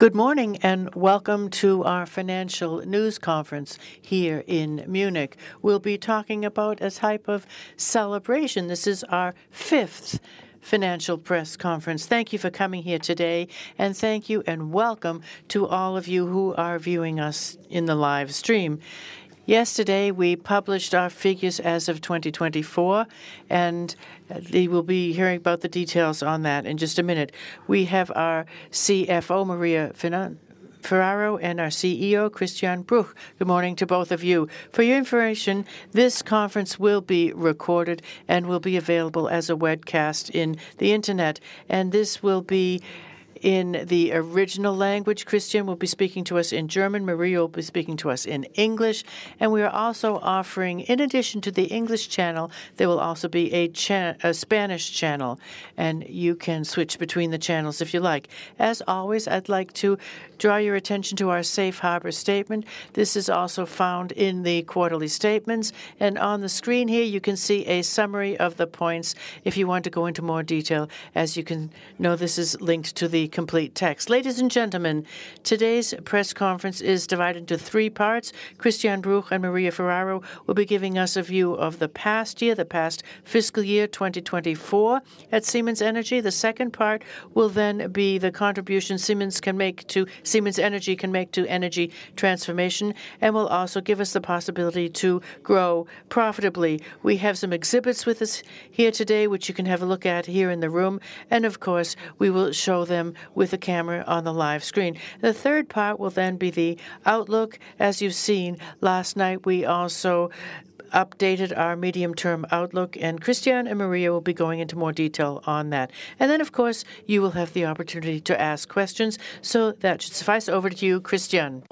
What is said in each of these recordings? Good morning and welcome to our financial news conference here in Munich. We'll be talking about a type of celebration. This is our fifth financial press conference. Thank you for coming here today, and thank you and welcome to all of you who are viewing us in the live stream. Yesterday we published our figures as of 2024, and we will be hearing about the details on that in just a minute. We have our CFO, Maria Ferraro, and our CEO, Christian Bruch. Good morning to both of you. For your information, this conference will be recorded and will be available as a webcast on the internet, and this will be in the original language. Christian will be speaking to us in German. Maria will be speaking to us in English, and we are also offering, in addition to the English channel, there will also be a Spanish channel, and you can switch between the channels if you like. As always, I'd like to draw your attention to our safe harbor statement. This is also found in the quarterly statements, and on the screen here you can see a summary of the points. If you want to go into more detail, as you know, this is linked to the complete text. Ladies and gentlemen, today's press conference is divided into three parts. Christian Bruch and Maria Ferraro will be giving us a view of the past year, the past fiscal year 2024 at Siemens Energy. The second part will then be the contribution Siemens Energy can make to energy transformation, and will also give us the possibility to grow profitably. We have some exhibits with us here today, which you can have a look at here in the room, and of course we will show them with a camera on the live screen. The third part will then be the outlook. As you've seen last night, we also updated our medium-term outlook, and Christian and Maria will be going into more detail on that. And then, of course, you will have the opportunity to ask questions, so that should suffice. Over to you, Christian.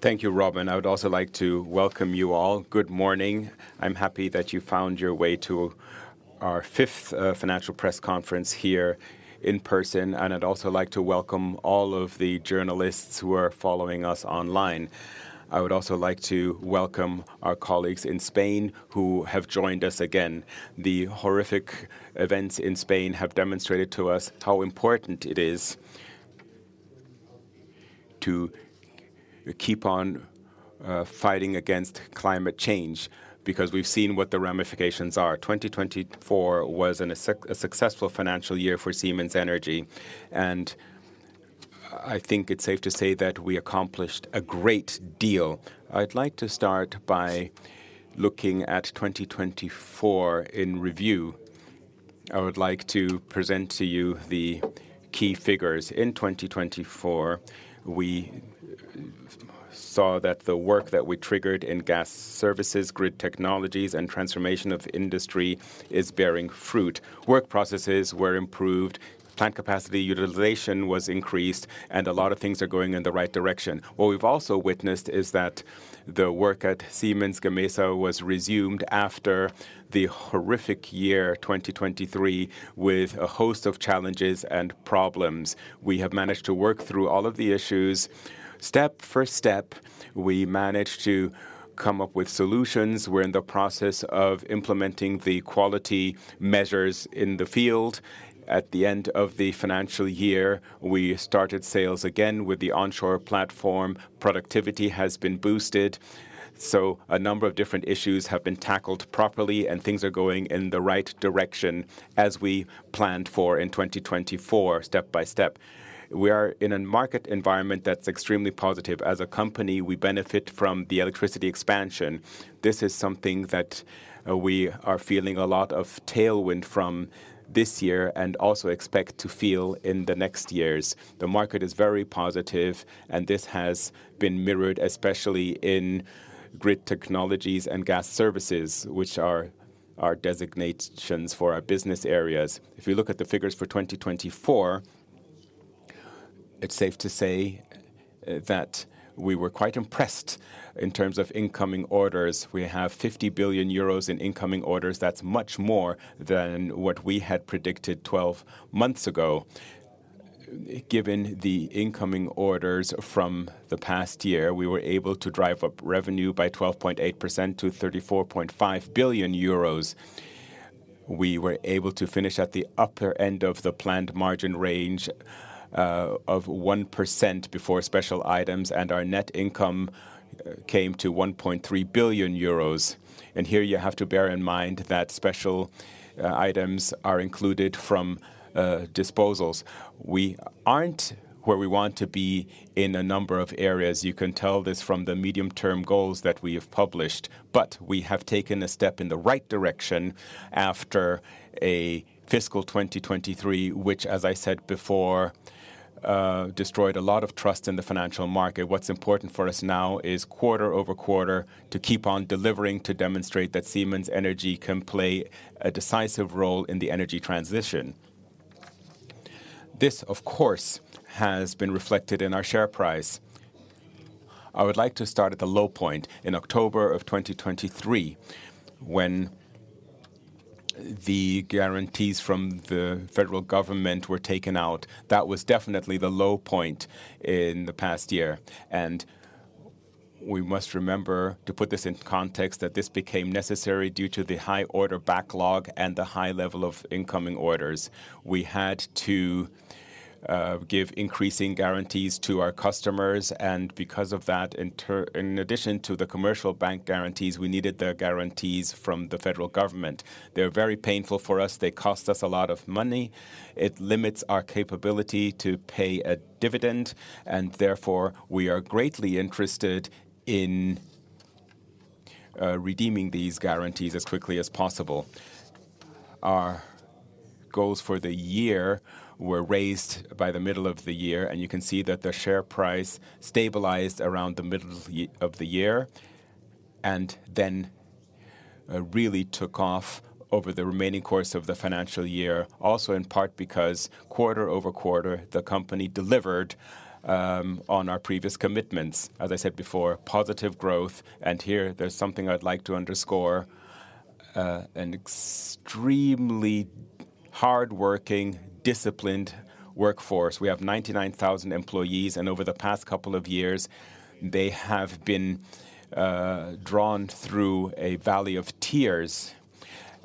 Thank you, Robin. I would also like to welcome you all. Good morning. I'm happy that you found your way to our fifth financial press conference here in person, and I'd also like to welcome all of the journalists who are following us online. I would also like to welcome our colleagues in Spain who have joined us again. The horrific events in Spain have demonstrated to us how important it is to keep on fighting against climate change because we've seen what the ramifications are. 2024 was a successful financial year for Siemens Energy, and I think it's safe to say that we accomplished a great deal. I'd like to start by looking at 2024 in review. I would like to present to you the key figures. In 2024, we saw that the work that we triggered in Gas Services, Grid Technologies, and Transformation of Industry is bearing fruit. Work processes were improved, plant capacity utilization was increased, and a lot of things are going in the right direction. What we've also witnessed is that the work at Siemens Gamesa was resumed after the horrific year 2023 with a host of challenges and problems. We have managed to work through all of the issues step by step. We managed to come up with solutions. We're in the process of implementing the quality measures in the field. At the end of the financial year, we started sales again with the onshore platform. Productivity has been boosted, so a number of different issues have been tackled properly, and things are going in the right direction as we planned for in 2024, step by step. We are in a market environment that's extremely positive. As a company, we benefit from the electricity expansion. This is something that we are feeling a lot of tailwind from this year and also expect to feel in the next years. The market is very positive, and this has been mirrored especially in Grid Technologies and Gas Services, which are our designations for our business areas. If you look at the figures for 2024, it's safe to say that we were quite impressed in terms of incoming orders. We have € 50 billion in incoming orders. That's much more than what we had predicted 12 months ago. Given the incoming orders from the past year, we were able to drive up revenue by 12.8% to € 34.5 billion. We were able to finish at the upper end of the planned margin range of 1% before special items, and our net income came to € 1.3 billion, and here you have to bear in mind that special items are included from disposals. We aren't where we want to be in a number of areas. You can tell this from the medium-term goals that we have published, but we have taken a step in the right direction after a fiscal 2023, which, as I said before, destroyed a lot of trust in the financial market. What's important for us now is quarter over quarter to keep on delivering to demonstrate that Siemens Energy can play a decisive role in the energy transition. This, of course, has been reflected in our share price. I would like to start at the low point in October of 2023 when the guarantees from the federal government were taken out. That was definitely the low point in the past year. And we must remember to put this in context that this became necessary due to the high order backlog and the high level of incoming orders. We had to give increasing guarantees to our customers, and because of that, in addition to the commercial bank guarantees, we needed the guarantees from the federal government. They're very painful for us. They cost us a lot of money. It limits our capability to pay a dividend, and therefore we are greatly interested in redeeming these guarantees as quickly as possible. Our goals for the year were raised by the middle of the year, and you can see that the share price stabilized around the middle of the year and then really took off over the remaining course of the financial year, also in part because quarter over quarter the company delivered on our previous commitments. As I said before, positive growth. And here there's something I'd like to underscore: an extremely hardworking, disciplined workforce. We have 99,000 employees, and over the past couple of years, they have been drawn through a valley of tears,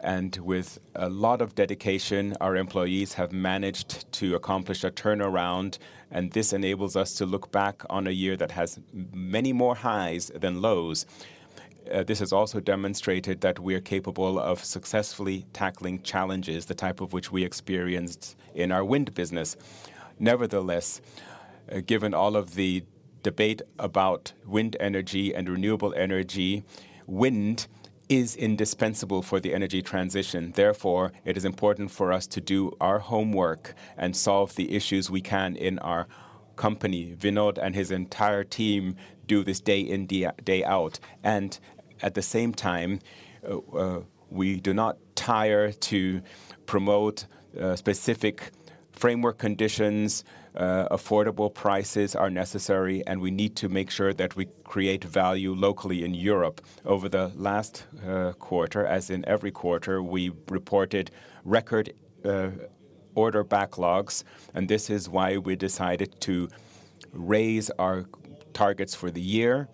and with a lot of dedication, our employees have managed to accomplish a turnaround, and this enables us to look back on a year that has many more highs than lows. This has also demonstrated that we are capable of successfully tackling challenges, the type of which we experienced in our wind business. Nevertheless, given all of the debate about wind energy and renewable energy, wind is indispensable for the energy transition. Therefore, it is important for us to do our homework and solve the issues we can in our company. Vinod and his entire team do this day in, day out, and at the same time, we do not tire to promote specific framework conditions. Affordable prices are necessary, and we need to make sure that we create value locally in Europe. Over the last quarter, as in every quarter, we reported record order backlogs, and this is why we decided to raise our targets for the year.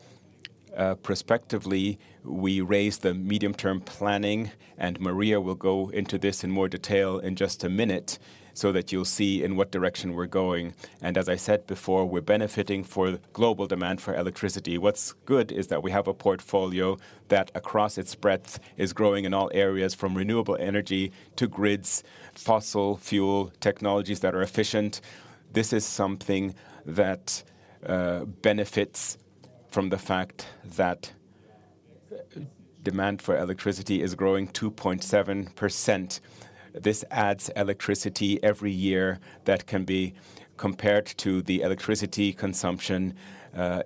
Prospectively, we raised the medium-term planning, and Maria will go into this in more detail in just a minute so that you'll see in what direction we're going, and as I said before, we're benefiting from global demand for electricity. What's good is that we have a portfolio that, across its breadth, is growing in all areas, from renewable energy to grids, fossil fuel technologies that are efficient. This is something that benefits from the fact that demand for electricity is growing 2.7%. This adds electricity every year that can be compared to the electricity consumption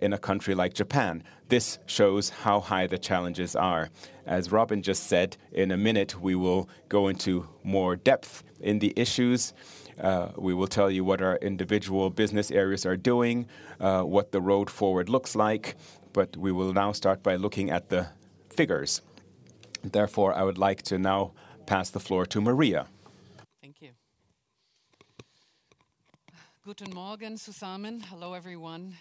in a country like Japan. This shows how high the challenges are. As Robin just said, in a minute, we will go into more depth in the issues. We will tell you what our individual business areas are doing, what the road forward looks like, but we will now start by looking at the figures. Therefore, I would like to now pass the floor to Maria. Thank you. Guten Morgen zusammen. Hello everyone.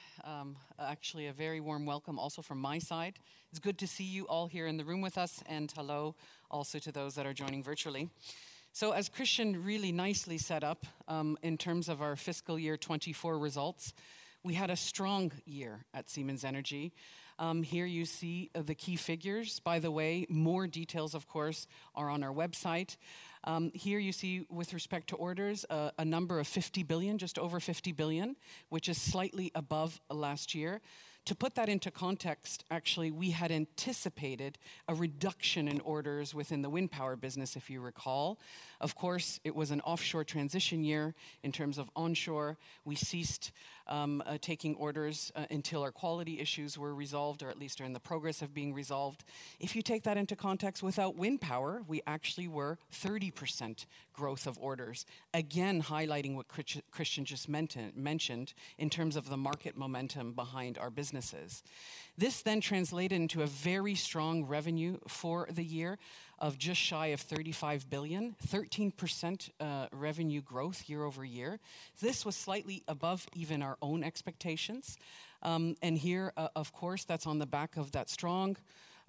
Actually, a very warm welcome also from my side. It's good to see you all here in the room with us, and hello also to those that are joining virtually. So, as Christian really nicely set up in terms of our fiscal year 2024 results, we had a strong year at Siemens Energy. Here you see the key figures. By the way, more details, of course, are on our website. Here you see, with respect to orders, a number of 50 billion, just over 50 billion, which is slightly above last year. To put that into context, actually, we had anticipated a reduction in orders within the wind power business, if you recall. Of course, it was an offshore transition year. In terms of onshore, we ceased taking orders until our quality issues were resolved, or at least during the progress of being resolved. If you take that into context, without wind power, we actually were 30% growth of orders, again highlighting what Christian just mentioned in terms of the market momentum behind our businesses. This then translated into a very strong revenue for the year of just shy of 35 billion, 13% revenue growth year over year. This was slightly above even our own expectations. And here, of course, that's on the back of that strong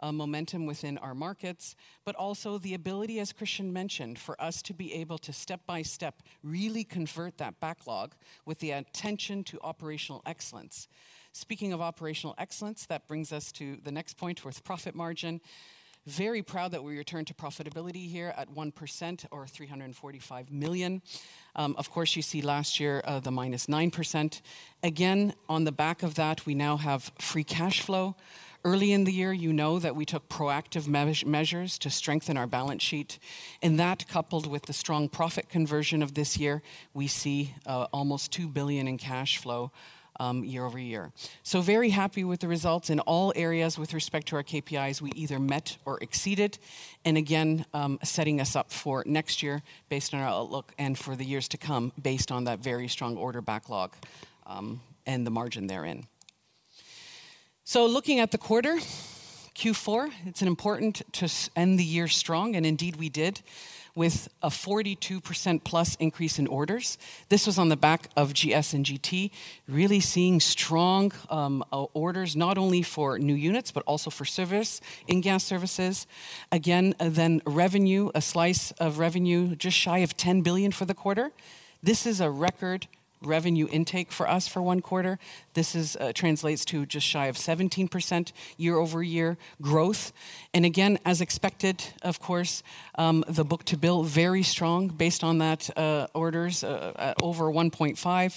momentum within our markets, but also the ability, as Christian mentioned, for us to be able to step by step really convert that backlog with the attention to operational excellence. Speaking of operational excellence, that brings us to the next point with profit margin. Very proud that we returned to profitability here at 1% or 345 million. Of course, you see last year the -9%. Again, on the back of that, we now have free cash flow. Early in the year, you know that we took proactive measures to strengthen our balance sheet. In that, coupled with the strong profit conversion of this year, we see almost 2 billion in cash flow year over year. So, very happy with the results in all areas with respect to our KPIs. We either met or exceeded, and again, setting us up for next year based on our outlook and for the years to come based on that very strong order backlog and the margin therein. So, looking at the quarter, Q4, it's important to end the year strong, and indeed we did with a 42% plus increase in orders. This was on the back of GS and GT really seeing strong orders not only for new units, but also for service in Gas Services. Again, then, revenue, a slice of revenue just shy of 10 billion for the quarter. This is a record revenue intake for us for one quarter. This translates to just shy of 17% year-over-year growth. And again, as expected, of course, the book-to-bill very strong based on that, orders over 1.5 billion,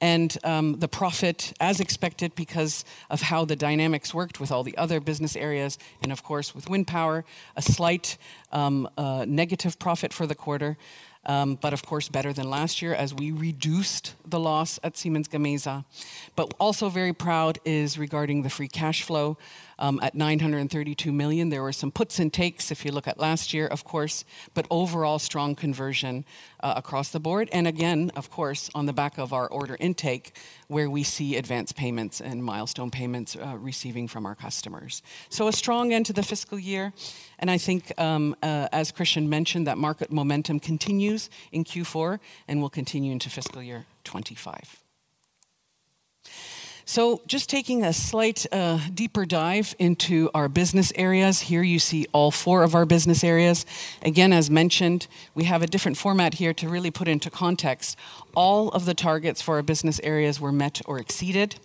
and the profit as expected because of how the dynamics worked with all the other business areas. And of course, with wind power, a slight negative profit for the quarter, but of course better than last year as we reduced the loss at Siemens Gamesa. But also very proud is regarding the free cash flow at 932 million. There were some puts and takes if you look at last year, of course, but overall strong conversion across the board. And again, of course, on the back of our order intake where we see advance payments and milestone payments receiving from our customers. So, a strong end to the fiscal year. And I think, as Christian mentioned, that market momentum continues in Q4 and will continue into fiscal year 2025. So, just taking a slight deeper dive into our business areas. Here you see all four of our business areas. Again, as mentioned, we have a different format here to really put into context. All of the targets for our business areas were met or exceeded.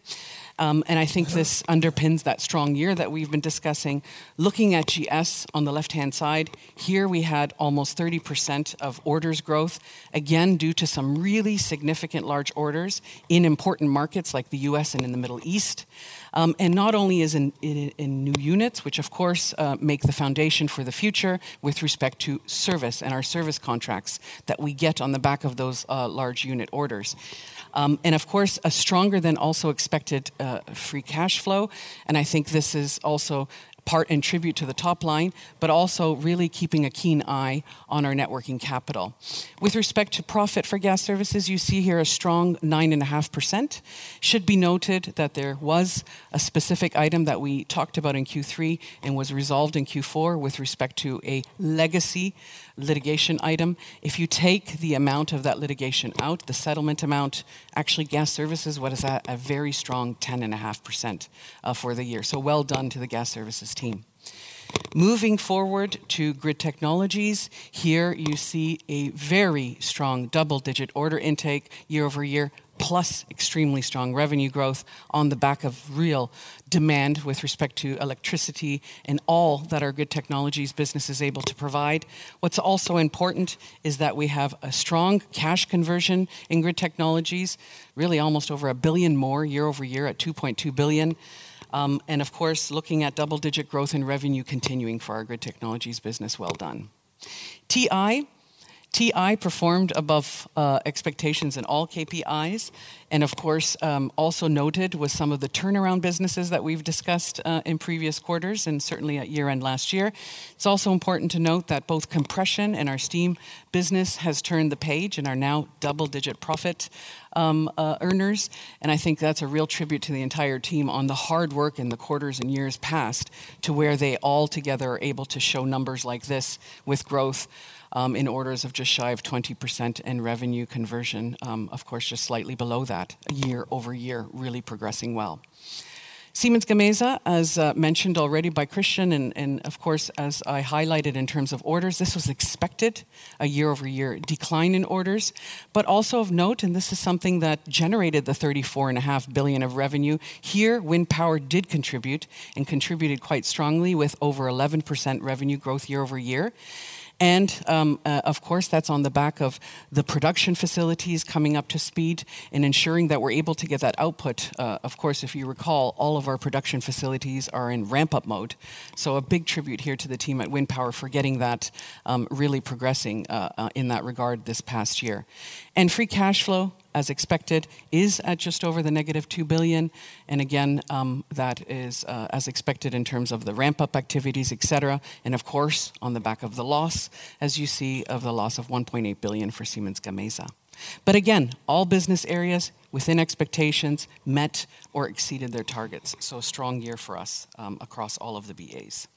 And I think this underpins that strong year that we've been discussing. Looking at GS on the left-hand side, here we had almost 30% of orders growth, again due to some really significant large orders in important markets like the U.S. and in the Middle East. And not only is it in new units, which of course make the foundation for the future with respect to service and our service contracts that we get on the back of those large unit orders. And of course, a stronger than also expected free cash flow. And I think this is also partly attributable to the top line, but also really keeping a keen eye on our net working capital. With respect to profit for Gas Services, you see here a strong 9.5%. It should be noted that there was a specific item that we talked about in Q3 and was resolved in Q4 with respect to a legacy litigation item. If you take the amount of that litigation out, the settlement amount, actually Gas Services, what is that? A very strong 10.5% for the year. So, well done to the Gas Services team. Moving forward to Grid Technologies, here you see a very strong double-digit order intake year over year, plus extremely strong revenue growth on the back of real demand with respect to electricity and all that our Grid Technologies business is able to provide. What's also important is that we have a strong cash conversion in Grid Technologies, really almost over a billion more year over year at 2.2 billion. And of course, looking at double-digit growth in revenue continuing for our Grid Technologies business, well done. TI performed above expectations in all KPIs. And of course, also noted was some of the turnaround businesses that we've discussed in previous quarters and certainly at year-end last year. It's also important to note that both compression and our steam business has turned the page and are now double-digit profit earners. I think that's a real tribute to the entire team on the hard work in the quarters and years past to where they all together are able to show numbers like this with growth in orders of just shy of 20% and revenue conversion, of course, just slightly below that year over year, really progressing well. Siemens Gamesa, as mentioned already by Christian, and of course, as I highlighted in terms of orders, this was expected a year-over-year decline in orders. But also of note, and this is something that generated the 34.5 billion of revenue here, wind power did contribute and contributed quite strongly with over 11% revenue growth year over year. And of course, that's on the back of the production facilities coming up to speed and ensuring that we're able to get that output. Of course, if you recall, all of our production facilities are in ramp-up mode. So, a big tribute here to the team at wind power for getting that really progressing in that regard this past year. And free cash flow, as expected, is at just over -€2 billion. And again, that is as expected in terms of the ramp-up activities, etc. And of course, on the back of the loss, as you see, of the loss of €1.8 billion for Siemens Gamesa. But again, all business areas within expectations met or exceeded their targets. So, a strong year for us across all of the BAs.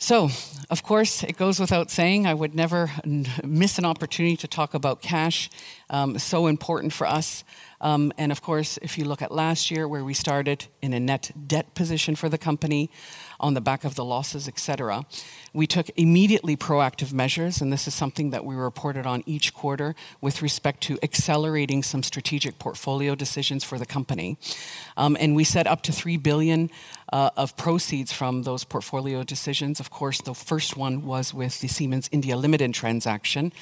So, of course, it goes without saying, I would never miss an opportunity to talk about cash. So important for us. And of course, if you look at last year where we started in a net debt position for the company on the back of the losses, etc., we took immediately proactive measures. And this is something that we reported on each quarter with respect to accelerating some strategic portfolio decisions for the company. And we set up to 3 billion of proceeds from those portfolio decisions. Of course, the first one was with the Siemens India Limited transaction,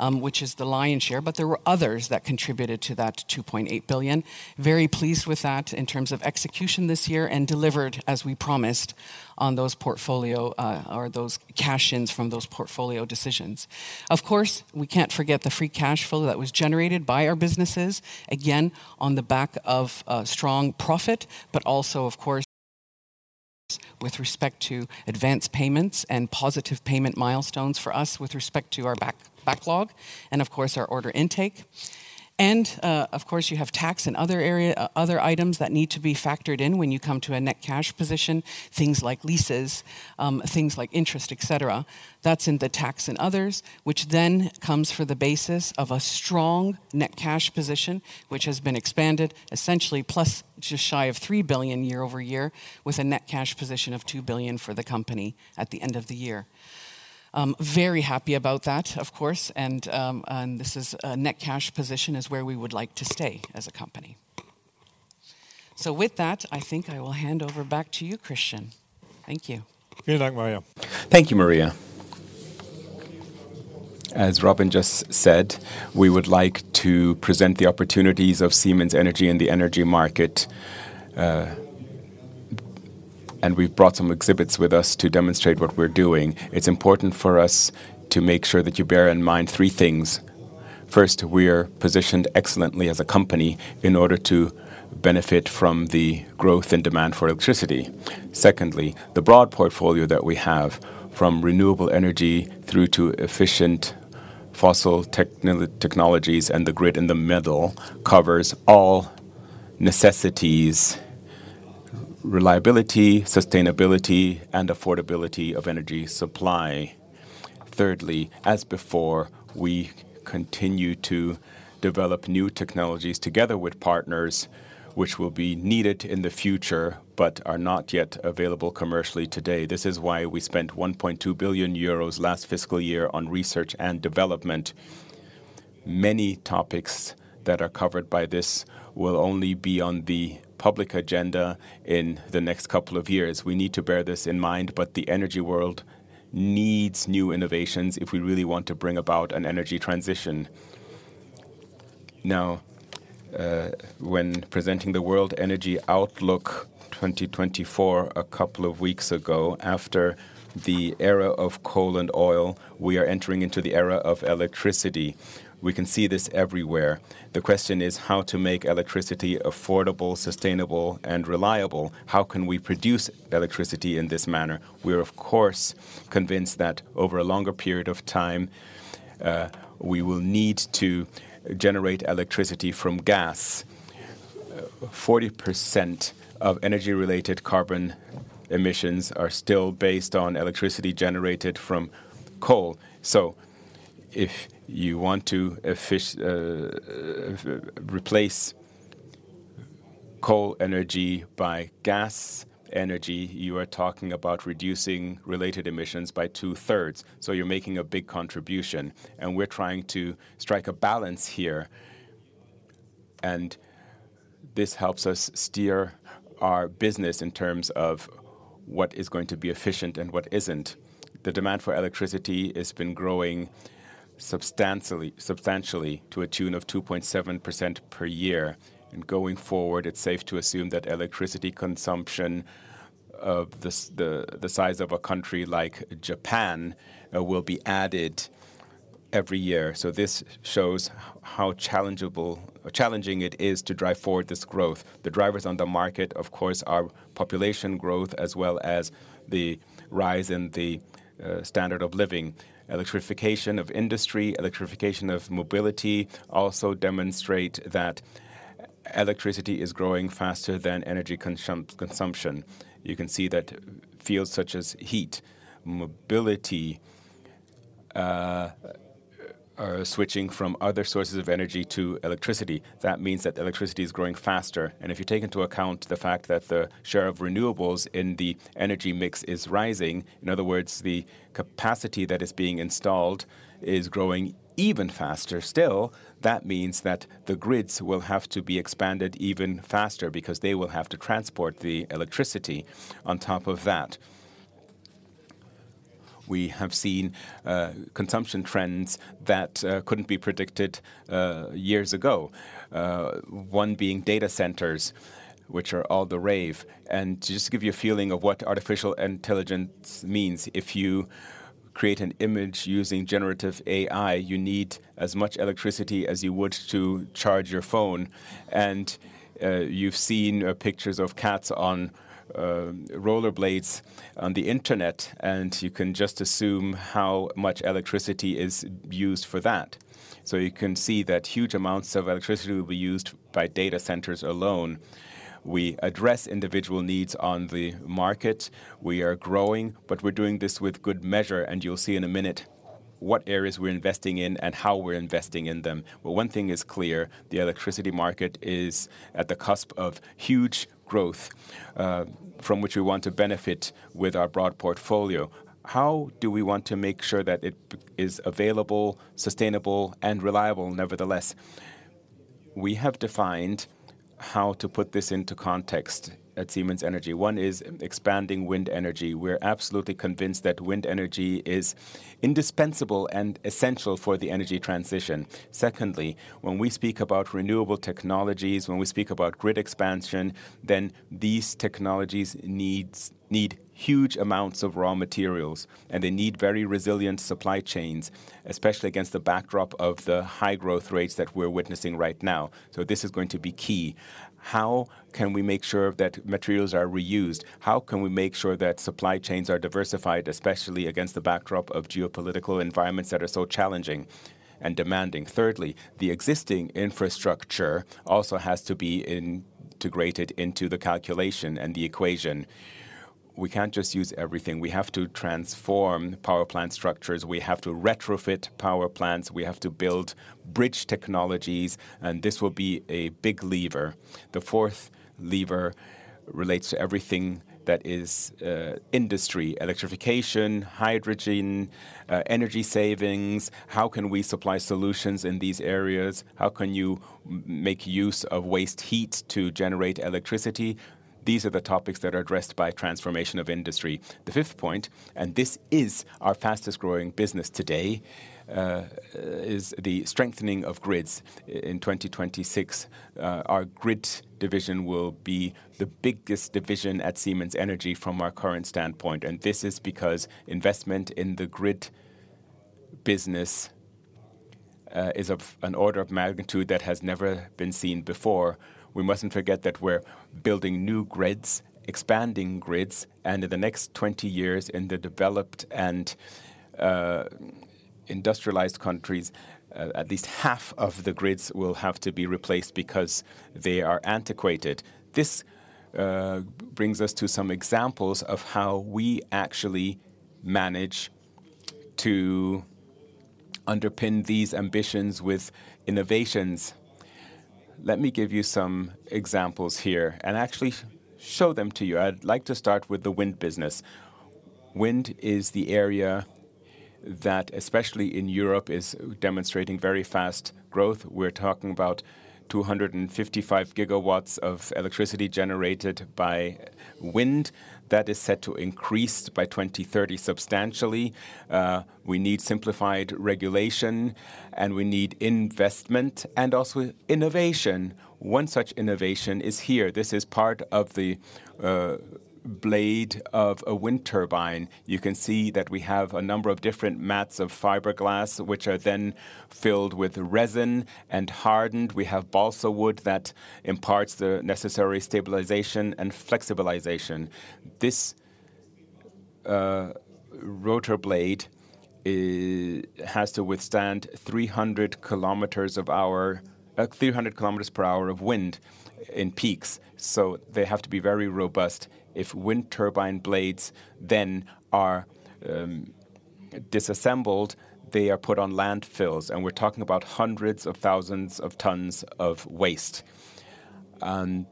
which is the lion's share, but there were others that contributed to that 2.8 billion. Very pleased with that in terms of execution this year and delivered, as we promised, on those portfolio or those cash ins from those portfolio decisions. Of course, we can't forget the free cash flow that was generated by our businesses, again on the back of strong profit, but also, of course, with respect to advance payments and positive payment milestones for us with respect to our backlog and, of course, our order intake. And of course, you have tax and other items that need to be factored in when you come to a net cash position, things like leases, things like interest, etc. That's in the tax and others, which then comes for the basis of a strong net cash position, which has been expanded essentially plus just shy of 3 billion year over year with a net cash position of 2 billion for the company at the end of the year. Very happy about that, of course. And this is a net cash position where we would like to stay as a company. So, with that, I think I will hand over back to you, Christian. Thank you. Good night, Maria. Thank you, Maria. As Robin just said, we would like to present the opportunities of Siemens Energy in the energy market. And we've brought some exhibits with us to demonstrate what we're doing. It's important for us to make sure that you bear in mind three things. First, we are positioned excellently as a company in order to benefit from the growth in demand for electricity. Secondly, the broad portfolio that we have from renewable energy through to efficient fossil technologies and the grid in the middle covers all necessities: reliability, sustainability, and affordability of energy supply. Thirdly, as before, we continue to develop new technologies together with partners, which will be needed in the future, but are not yet available commercially today. This is why we spent 1.2 billion euros last fiscal year on research and development. Many topics that are covered by this will only be on the public agenda in the next couple of years. We need to bear this in mind, but the energy world needs new innovations if we really want to bring about an energy transition. Now, when presenting the World Energy Outlook 2024 a couple of weeks ago, after the era of coal and oil, we are entering into the era of electricity. We can see this everywhere. The question is how to make electricity affordable, sustainable, and reliable. How can we produce electricity in this manner? We are, of course, convinced that over a longer period of time, we will need to generate electricity from gas. 40% of energy-related carbon emissions are still based on electricity generated from coal. So, if you want to replace coal energy by gas energy, you are talking about reducing related emissions by two-thirds. You're making a big contribution. We're trying to strike a balance here. This helps us steer our business in terms of what is going to be efficient and what isn't. The demand for electricity has been growing substantially to a tune of 2.7% per year. Going forward, it's safe to assume that electricity consumption of the size of a country like Japan will be added every year. This shows how challenging it is to drive forward this growth. The drivers on the market, of course, are population growth as well as the rise in the standard of living. Electrification of industry, electrification of mobility also demonstrate that electricity is growing faster than energy consumption. You can see that fields such as heat, mobility are switching from other sources of energy to electricity. That means that electricity is growing faster. If you take into account the fact that the share of renewables in the energy mix is rising, in other words, the capacity that is being installed is growing even faster still, that means that the grids will have to be expanded even faster because they will have to transport the electricity. On top of that, we have seen consumption trends that couldn't be predicted years ago, one being data centers, which are all the rage. To just give you a feeling of what artificial intelligence means, if you create an image using generative AI, you need as much electricity as you would to charge your phone. You've seen pictures of cats on roller blades on the internet, and you can just assume how much electricity is used for that. You can see that huge amounts of electricity will be used by data centers alone. We address individual needs on the market. We are growing, but we're doing this with good measure. You'll see in a minute what areas we're investing in and how we're investing in them. One thing is clear. The electricity market is at the cusp of huge growth from which we want to benefit with our broad portfolio. How do we want to make sure that it is available, sustainable, and reliable nevertheless? We have defined how to put this into context at Siemens Energy. One is expanding wind energy. We're absolutely convinced that wind energy is indispensable and essential for the energy transition. Secondly, when we speak about renewable technologies, when we speak about grid expansion, then these technologies need huge amounts of raw materials, and they need very resilient supply chains, especially against the backdrop of the high growth rates that we're witnessing right now. So, this is going to be key. How can we make sure that materials are reused? How can we make sure that supply chains are diversified, especially against the backdrop of geopolitical environments that are so challenging and demanding? Thirdly, the existing infrastructure also has to be integrated into the calculation and the equation. We can't just use everything. We have to transform power plant structures. We have to retrofit power plants. We have to build bridge technologies, and this will be a big lever. The fourth lever relates to everything that is industry: electrification, hydrogen, energy savings. How can we supply solutions in these areas? How can you make use of waste heat to generate electricity? These are the topics that are addressed by Transformation of Industry. The fifth point, and this is our fastest growing business today, is the strengthening of grids. In 2026, our grid division will be the biggest division at Siemens Energy from our current standpoint, and this is because investment in the grid business is of an order of magnitude that has never been seen before. We mustn't forget that we're building new grids, expanding grids, and in the next 20 years, in the developed and industrialized countries, at least half of the grids will have to be replaced because they are antiquated. This brings us to some examples of how we actually manage to underpin these ambitions with innovations. Let me give you some examples here and actually show them to you. I'd like to start with the wind business. Wind is the area that, especially in Europe, is demonstrating very fast growth. We're talking about 255 gigawatts of electricity generated by wind that is set to increase by 2030 substantially. We need simplified regulation, and we need investment and also innovation. One such innovation is here. This is part of the blade of a wind turbine. You can see that we have a number of different mats of fiberglass, which are then filled with resin and hardened. We have balsa wood that imparts the necessary stabilization and flexibilization. This rotor blade has to withstand 300 kilometers per hour of wind in peaks. So, they have to be very robust. If wind turbine blades then are disassembled, they are put on landfills, and we're talking about hundreds of thousands of tons of waste. And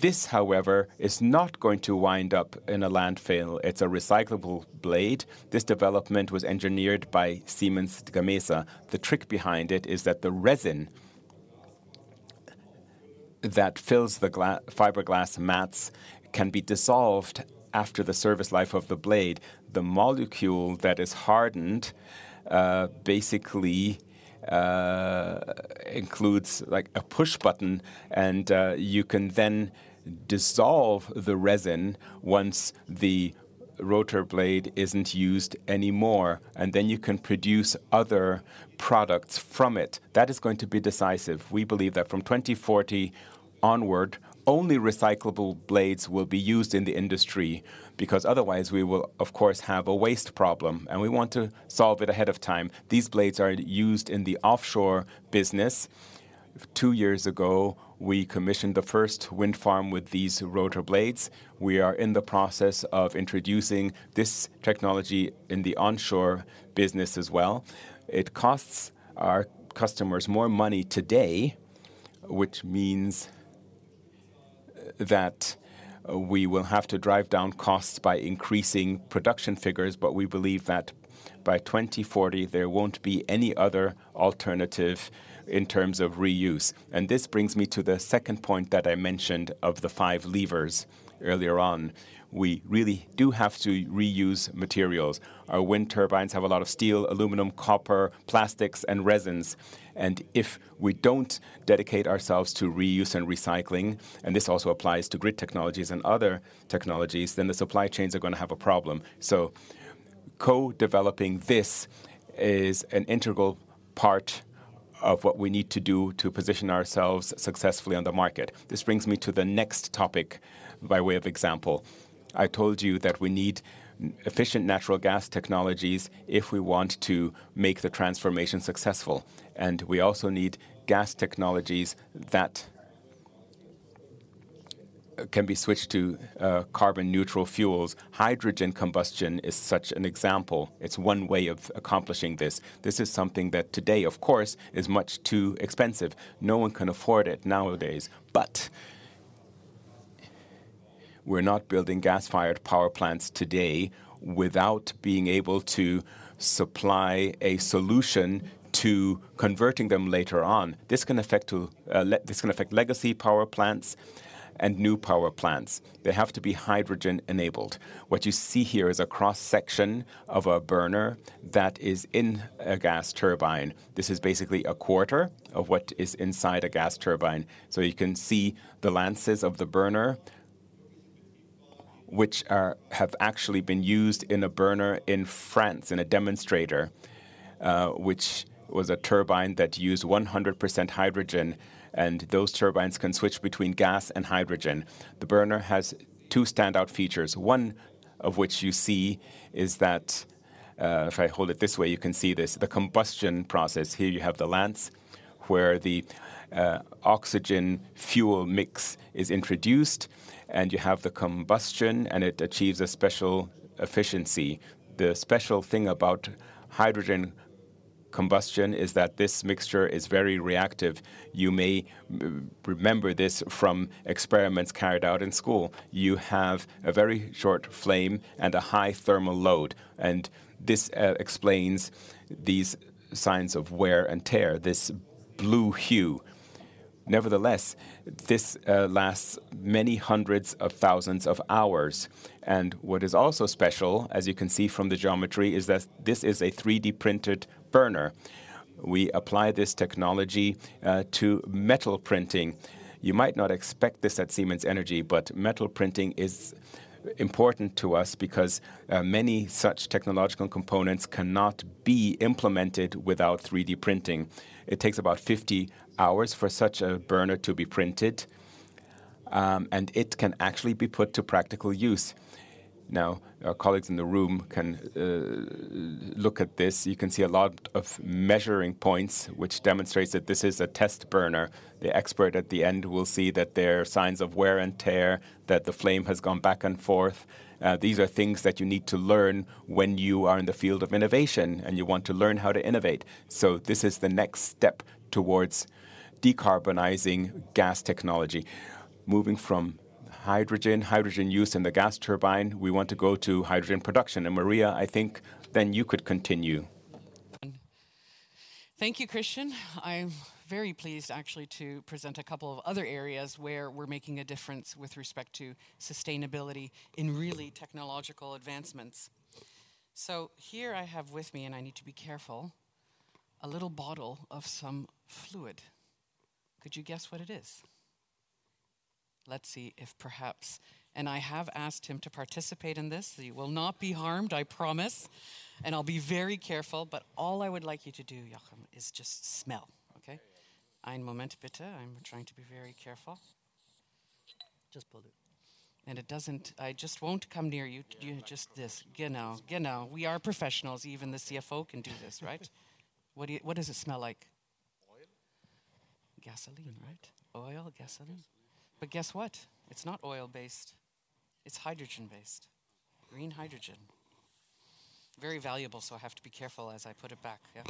this, however, is not going to wind up in a landfill. It's a recyclable blade. This development was engineered by Siemens Gamesa. The trick behind it is that the resin that fills the fiberglass mats can be dissolved after the service life of the blade. The molecule that is hardened basically includes like a push button, and you can then dissolve the resin once the rotor blade isn't used anymore, and then you can produce other products from it. That is going to be decisive. We believe that from 2040 onward, only recyclable blades will be used in the industry because otherwise we will, of course, have a waste problem, and we want to solve it ahead of time. These blades are used in the offshore business. Two years ago, we commissioned the first wind farm with these rotor blades. We are in the process of introducing this technology in the onshore business as well. It costs our customers more money today, which means that we will have to drive down costs by increasing production figures, but we believe that by 2040, there won't be any other alternative in terms of reuse. This brings me to the second point that I mentioned of the five levers earlier on. We really do have to reuse materials. Our wind turbines have a lot of steel, aluminum, copper, plastics, and resins. And if we don't dedicate ourselves to reuse and recycling, and this also applies to Grid Technologies and other technologies, then the supply chains are going to have a problem. Co-developing this is an integral part of what we need to do to position ourselves successfully on the market. This brings me to the next topic by way of example. I told you that we need efficient natural gas technologies if we want to make the transformation successful. And we also need gas technologies that can be switched to carbon-neutral fuels. Hydrogen combustion is such an example. It's one way of accomplishing this. This is something that today, of course, is much too expensive. No one can afford it nowadays. But we're not building gas-fired power plants today without being able to supply a solution to converting them later on. This can affect legacy power plants and new power plants. They have to be hydrogen-enabled. What you see here is a cross-section of a burner that is in a gas turbine. This is basically a quarter of what is inside a gas turbine. So, you can see the lances of the burner, which have actually been used in a burner in France in a demonstrator, which was a turbine that used 100% hydrogen. And those turbines can switch between gas and hydrogen. The burner has two standout features. One of which you see is that if I hold it this way, you can see this, the combustion process. Here you have the lance where the oxygen-fuel mix is introduced, and you have the combustion, and it achieves a special efficiency. The special thing about hydrogen combustion is that this mixture is very reactive. You may remember this from experiments carried out in school. You have a very short flame and a high thermal load. And this explains these signs of wear and tear, this blue hue. Nevertheless, this lasts many hundreds of thousands of hours. And what is also special, as you can see from the geometry, is that this is a 3D-printed burner. We apply this technology to metal printing. You might not expect this at Siemens Energy, but metal printing is important to us because many such technological components cannot be implemented without 3D printing. It takes about 50 hours for such a burner to be printed, and it can actually be put to practical use. Now, our colleagues in the room can look at this. You can see a lot of measuring points, which demonstrates that this is a test burner. The expert at the end will see that there are signs of wear and tear, that the flame has gone back and forth. These are things that you need to learn when you are in the field of innovation and you want to learn how to innovate. So, this is the next step towards decarbonizing gas technology. Moving from hydrogen, hydrogen use in the gas turbine, we want to go to hydrogen production. And Maria, I think then you could continue. Thank you, Christian. I'm very pleased, actually, to present a couple of other areas where we're making a difference with respect to sustainability in really technological advancements. So, here I have with me, and I need to be careful, a little bottle of some fluid. Could you guess what it is? Let's see if perhaps, and I have asked him to participate in this. He will not be harmed, I promise. And I'll be very careful. But all I would like you to do, Jochen, is just smell, okay? Einen Moment bitte. I'm trying to be very careful. Just hold it. And it doesn't, I just won't come near you. You just this. Genau. Genau. We are professionals. Even the CFO can do this, right? What does it smell like? Oil? Gasoline, right? Oil, gasoline. But guess what? It's not oil-based. It's hydrogen-based. Green hydrogen. Very valuable, so I have to be careful as I put it back, yeah?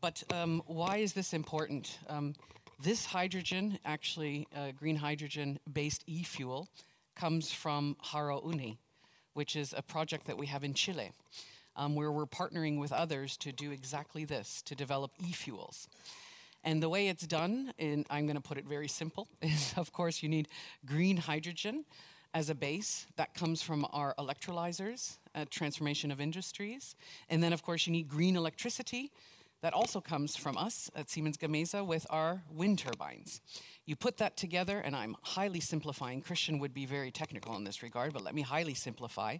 But why is this important? This hydrogen, actually green hydrogen-based e-fuel, comes from Haru Oni, which is a project that we have in Chile, where we're partnering with others to do exactly this, to develop e-fuels. And the way it's done, and I'm going to put it very simple, is, of course, you need green hydrogen as a base that comes from our electrolyzers, Transformation of Industry. And then, of course, you need green electricity that also comes from us at Siemens Gamesa with our wind turbines. You put that together, and I'm highly simplifying. Christian would be very technical in this regard, but let me highly simplify,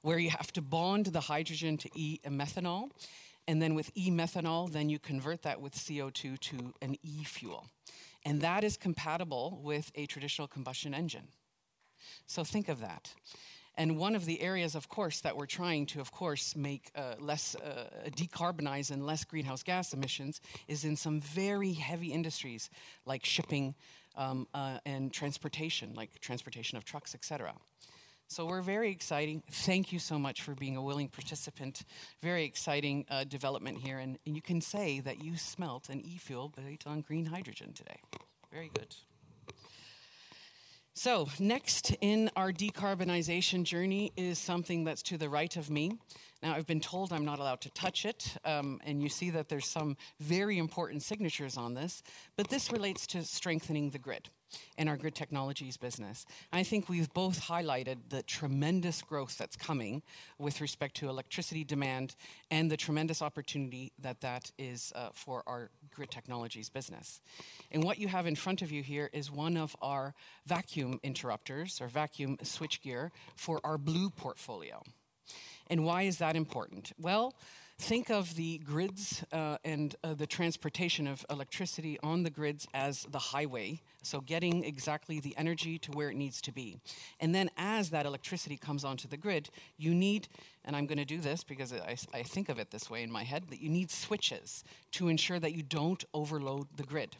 where you have to bond the hydrogen to e-methanol, and then with e-methanol, then you convert that with CO2 to an e-fuel. And that is compatible with a traditional combustion engine. So, think of that. One of the areas, of course, that we're trying to, of course, make less decarbonize and less greenhouse gas emissions is in some very heavy industries like shipping and transportation, like transportation of trucks, etc. We're very excited. Thank you so much for being a willing participant. Very exciting development here. You can say that you smelt an e-fuel based on green hydrogen today. Very good. Next in our decarbonization journey is something that's to the right of me. Now, I've been told I'm not allowed to touch it. You see that there's some very important signatures on this. But this relates to strengthening the grid and our Grid Technologies business. I think we've both highlighted the tremendous growth that's coming with respect to electricity demand and the tremendous opportunity that that is for our Grid Technologies business. What you have in front of you here is one of our vacuum interrupters or vacuum switchgear for our Blue Portfolio. Why is that important? Well, think of the grids and the transportation of electricity on the grids as the highway, so getting exactly the energy to where it needs to be. And then, as that electricity comes onto the grid, you need, and I'm going to do this because I think of it this way in my head, that you need switches to ensure that you don't overload the grid.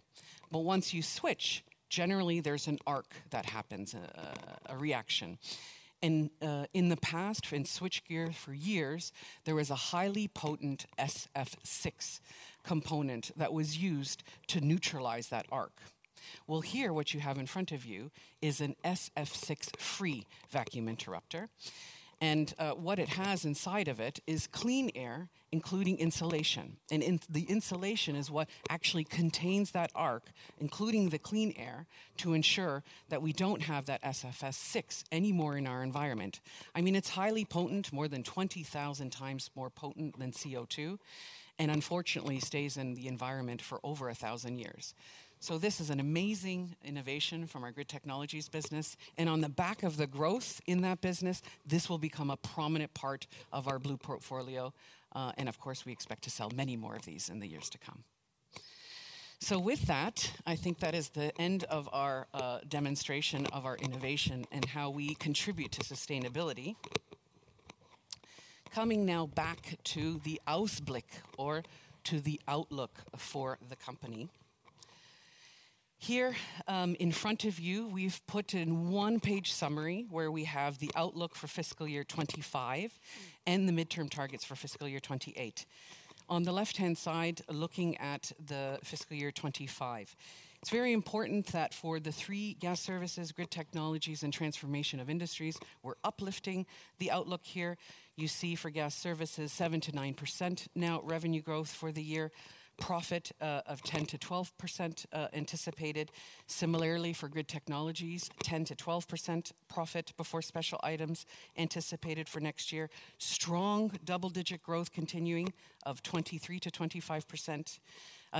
But once you switch, generally, there's an arc that happens, a reaction. And in the past, in switchgear for years, there was a highly potent SF6 component that was used to neutralize that arc. Well, here, what you have in front of you is an SF6-free vacuum interrupter. And what it has inside of it is Clean Air insulation. And the insulation is what actually contains that arc in the clean air, to ensure that we don't have that SF6 anymore in our environment. I mean, it's highly potent, more than 20,000 times more potent than CO2, and unfortunately, stays in the environment for over 1,000 years. So, this is an amazing innovation from our Grid Technologies business. And on the back of the growth in that business, this will become a prominent part of our Blue Portfolio. And of course, we expect to sell many more of these in the years to come. So, with that, I think that is the end of our demonstration of our innovation and how we contribute to sustainability. Coming now back to the Ausblick or to the outlook for the company. Here, in front of you, we've put in one-page summary where we have the outlook for fiscal year 2025 and the midterm targets for fiscal year 2028. On the left-hand side, looking at the fiscal year 2025, it's very important that for the three Gas Services, Grid Technologies, and Transformation of Industry, we're uplifting the outlook here. You see for Gas Services, 7-9% now revenue growth for the year, profit of 10-12% anticipated. Similarly, for Grid Technologies, 10-12% profit before special items anticipated for next year. Strong double-digit growth continuing of 23-25%.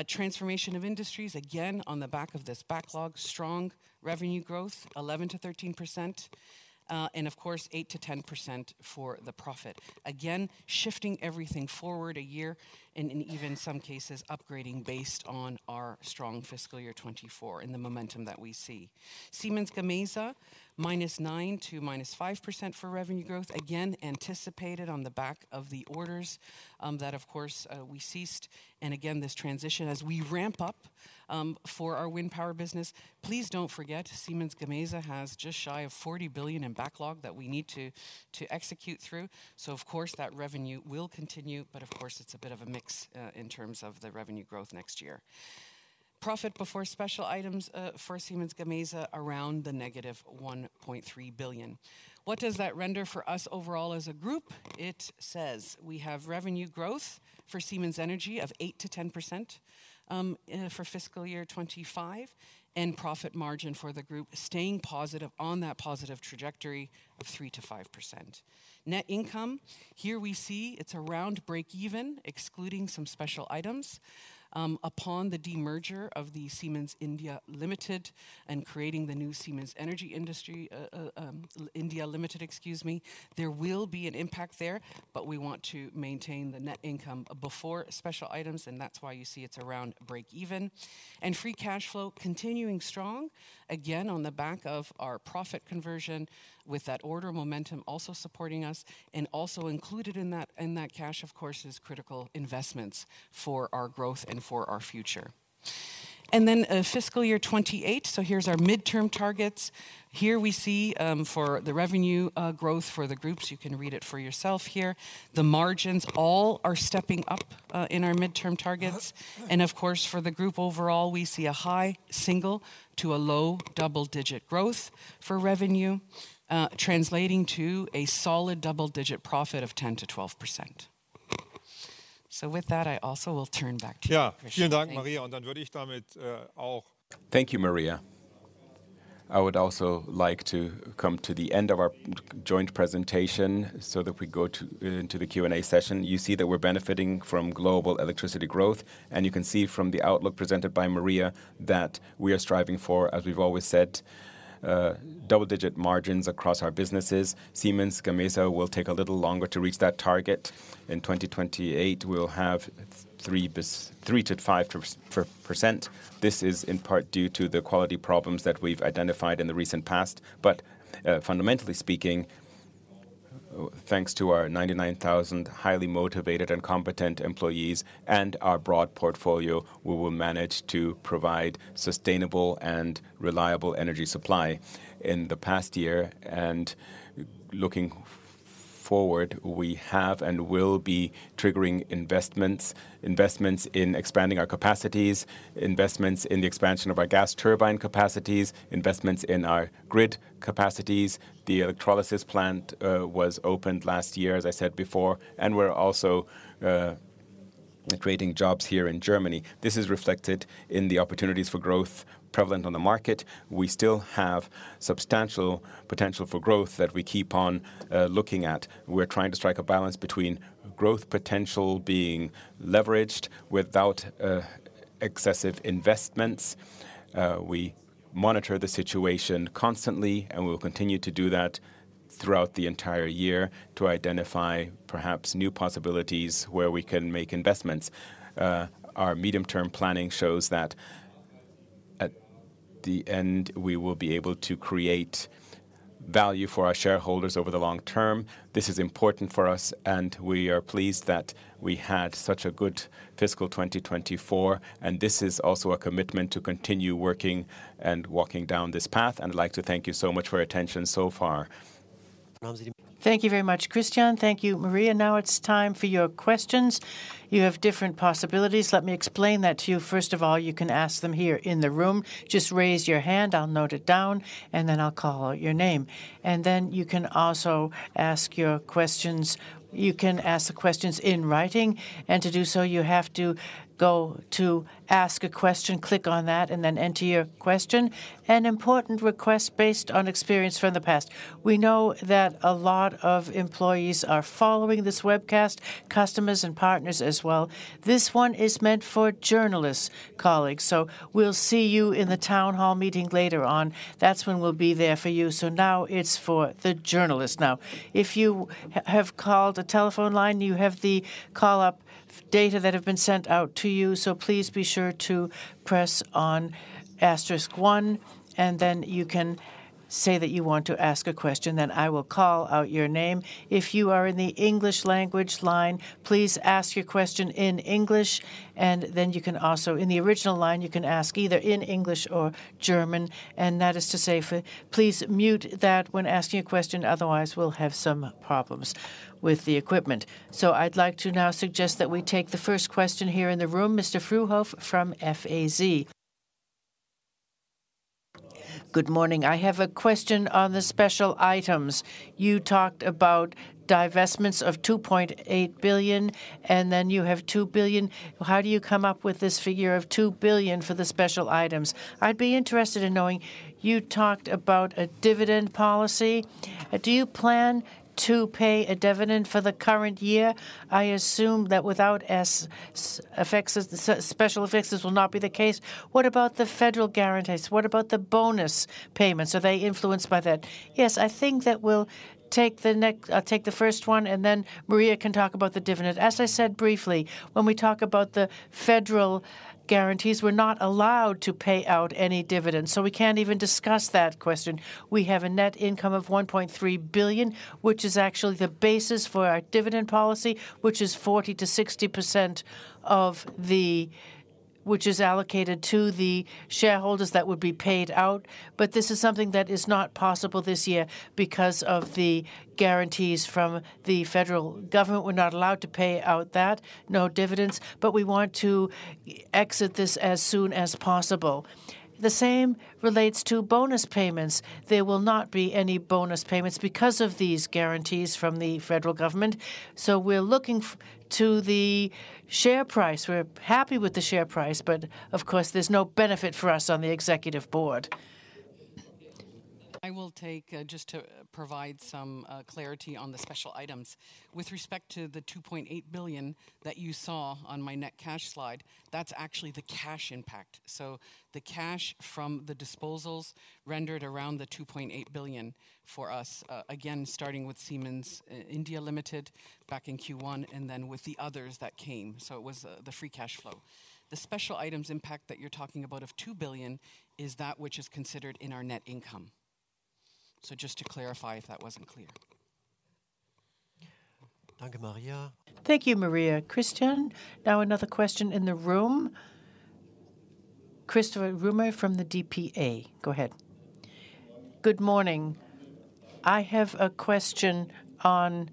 Transformation of Industry, again, on the back of this backlog, strong revenue growth, 11-13%. And of course, 8-10% for the profit. Again, shifting everything forward a year and in even some cases, upgrading based on our strong fiscal year 2024 and the momentum that we see. Siemens Gamesa, -9% to -5% for revenue growth, again, anticipated on the back of the orders that, of course, we received. And again, this transition as we ramp up for our wind power business. Please don't forget, Siemens Gamesa has just shy of €40 billion in backlog that we need to execute through. So, of course, that revenue will continue. But of course, it's a bit of a mix in terms of the revenue growth next year. Profit before special items for Siemens Gamesa around the -€1.3 billion. What does that mean for us overall as a group? It says we have revenue growth for Siemens Energy of 8%-10% for fiscal year 25 and profit margin for the group staying positive on that positive trajectory of 3%-5%. Net income, here we see it's around break-even, excluding some special items. Upon the demerger of the Siemens Limited and creating the new Siemens Energy India Limited, excuse me, there will be an impact there. But we want to maintain the net income before special items, and that's why you see it's around break-even. And free cash flow continuing strong, again, on the back of our profit conversion with that order momentum also supporting us, and also included in that cash, of course, is critical investments for our growth and for our future, and then fiscal year 2028, so here's our midterm targets. Here we see for the revenue growth for the groups, you can read it for yourself here. The margins all are stepping up in our midterm targets, and of course, for the group overall, we see a high single-digit to a low double-digit growth for revenue, translating to a solid double-digit profit of 10%-12%. So, with that, I also will turn back to you, Christian. Vielen Dank, Maria. Und dann würde ich damit auch. Thank you, Maria. I would also like to come to the end of our joint presentation so that we go into the Q&A session. You see that we're benefiting from global electricity growth. And you can see from the outlook presented by Maria that we are striving for, as we've always said, double-digit margins across our businesses. Siemens Gamesa will take a little longer to reach that target. In 2028, we'll have 3%-5%. This is in part due to the quality problems that we've identified in the recent past. But fundamentally speaking, thanks to our 99,000 highly motivated and competent employees and our broad portfolio, we will manage to provide sustainable and reliable energy supply in the past year. Looking forward, we have and will be triggering investments, investments in expanding our capacities, investments in the expansion of our gas turbine capacities, investments in our grid capacities. The electrolysis plant was opened last year, as I said before. We're also creating jobs here in Germany. This is reflected in the opportunities for growth prevalent on the market. We still have substantial potential for growth that we keep on looking at. We're trying to strike a balance between growth potential being leveraged without excessive investments. We monitor the situation constantly, and we'll continue to do that throughout the entire year to identify perhaps new possibilities where we can make investments. Our medium-term planning shows that at the end, we will be able to create value for our shareholders over the long term. This is important for us, and we are pleased that we had such a good fiscal 2024, and this is also a commitment to continue working and walking down this path, and I'd like to thank you so much for your attention so far. Thank you very much, Christian. Thank you, Maria. Now it's time for your questions. You have different possibilities. Let me explain that to you. First of all, you can ask them here in the room. Just raise your hand. I'll note it down, and then I'll call out your name, and then you can also ask your questions. You can ask the questions in writing, and to do so, you have to go to Ask a Question, click on that, and then enter your question. An important request based on experience from the past. We know that a lot of employees are following this webcast, customers and partners as well. This one is meant for journalist colleagues. So, we'll see you in the town hall meeting later on. That's when we'll be there for you. So, now it's for the journalists. Now, if you have called a telephone line, you have the call-up data that have been sent out to you. So, please be sure to press on asterisk one. And then you can say that you want to ask a question. Then I will call out your name. If you are in the English language line, please ask your question in English. And then you can also, in the original line, you can ask either in English or German. And that is to say, please mute that when asking a question. Otherwise, we'll have some problems with the equipment. I'd like to now suggest that we take the first question here in the room, Mr. Frühauf from F.A.Z. Good morning. I have a question on the special items. You talked about divestments of 2.8 billion, and then you have 2 billion. How do you come up with this figure of 2 billion for the special items? I'd be interested in knowing. You talked about a dividend policy. Do you plan to pay a dividend for the current year? I assume that without special effects this will not be the case. What about the federal guarantees? What about the bonus payments? Are they influenced by that? Yes, I think that we'll take the first one, and then Maria can talk about the dividend. As I said briefly, when we talk about the federal guarantees, we're not allowed to pay out any dividends. So, we can't even discuss that question. We have a net income of 1.3 billion, which is actually the basis for our dividend policy, which is 40%-60% of the, which is allocated to the shareholders that would be paid out. But this is something that is not possible this year because of the guarantees from the federal government. We're not allowed to pay out that, no dividends. But we want to exit this as soon as possible. The same relates to bonus payments. There will not be any bonus payments because of these guarantees from the federal government. So, we're looking to the share price. We're happy with the share price. But of course, there's no benefit for us on the executive board. I will take just to provide some clarity on the special items. With respect to the 2.8 billion that you saw on my net cash slide, that's actually the cash impact. So, the cash from the disposals rendered around 2.8 billion for us, again, starting with Siemens India Limited back in Q1 and then with the others that came. So, it was the free cash flow. The special items impact that you're talking about of 2 billion is that which is considered in our net income. So, just to clarify if that wasn't clear. Thank you, Maria. Thank you, Maria. Christian, now another question in the room. Christoph Rohmer from the dpa. Go ahead. Good morning. I have a question on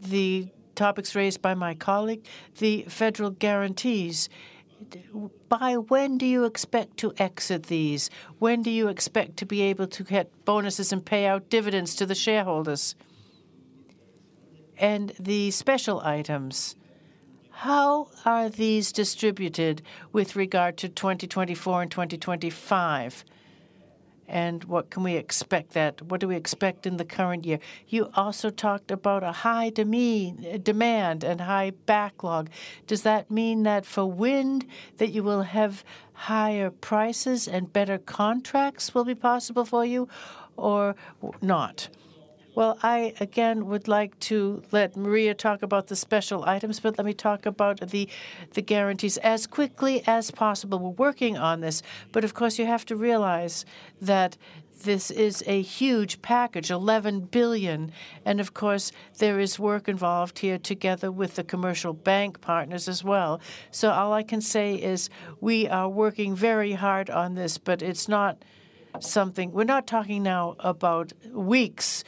the topics raised by my colleague. The federal guarantees, by when do you expect to exit these? When do you expect to be able to get bonuses and pay out dividends to the shareholders? And the special items, how are these distributed with regard to 2024 and 2025? And what can we expect that? What do we expect in the current year? You also talked about a high demand and high backlog. Does that mean that for wind that you will have higher prices and better contracts will be possible for you or not? Well, I again would like to let Maria talk about the special items, but let me talk about the guarantees as quickly as possible. We're working on this. But of course, you have to realize that this is a huge package, 11 billion. And of course, there is work involved here together with the commercial bank partners as well. So, all I can say is we are working very hard on this, but it's not something we're not talking now about weeks.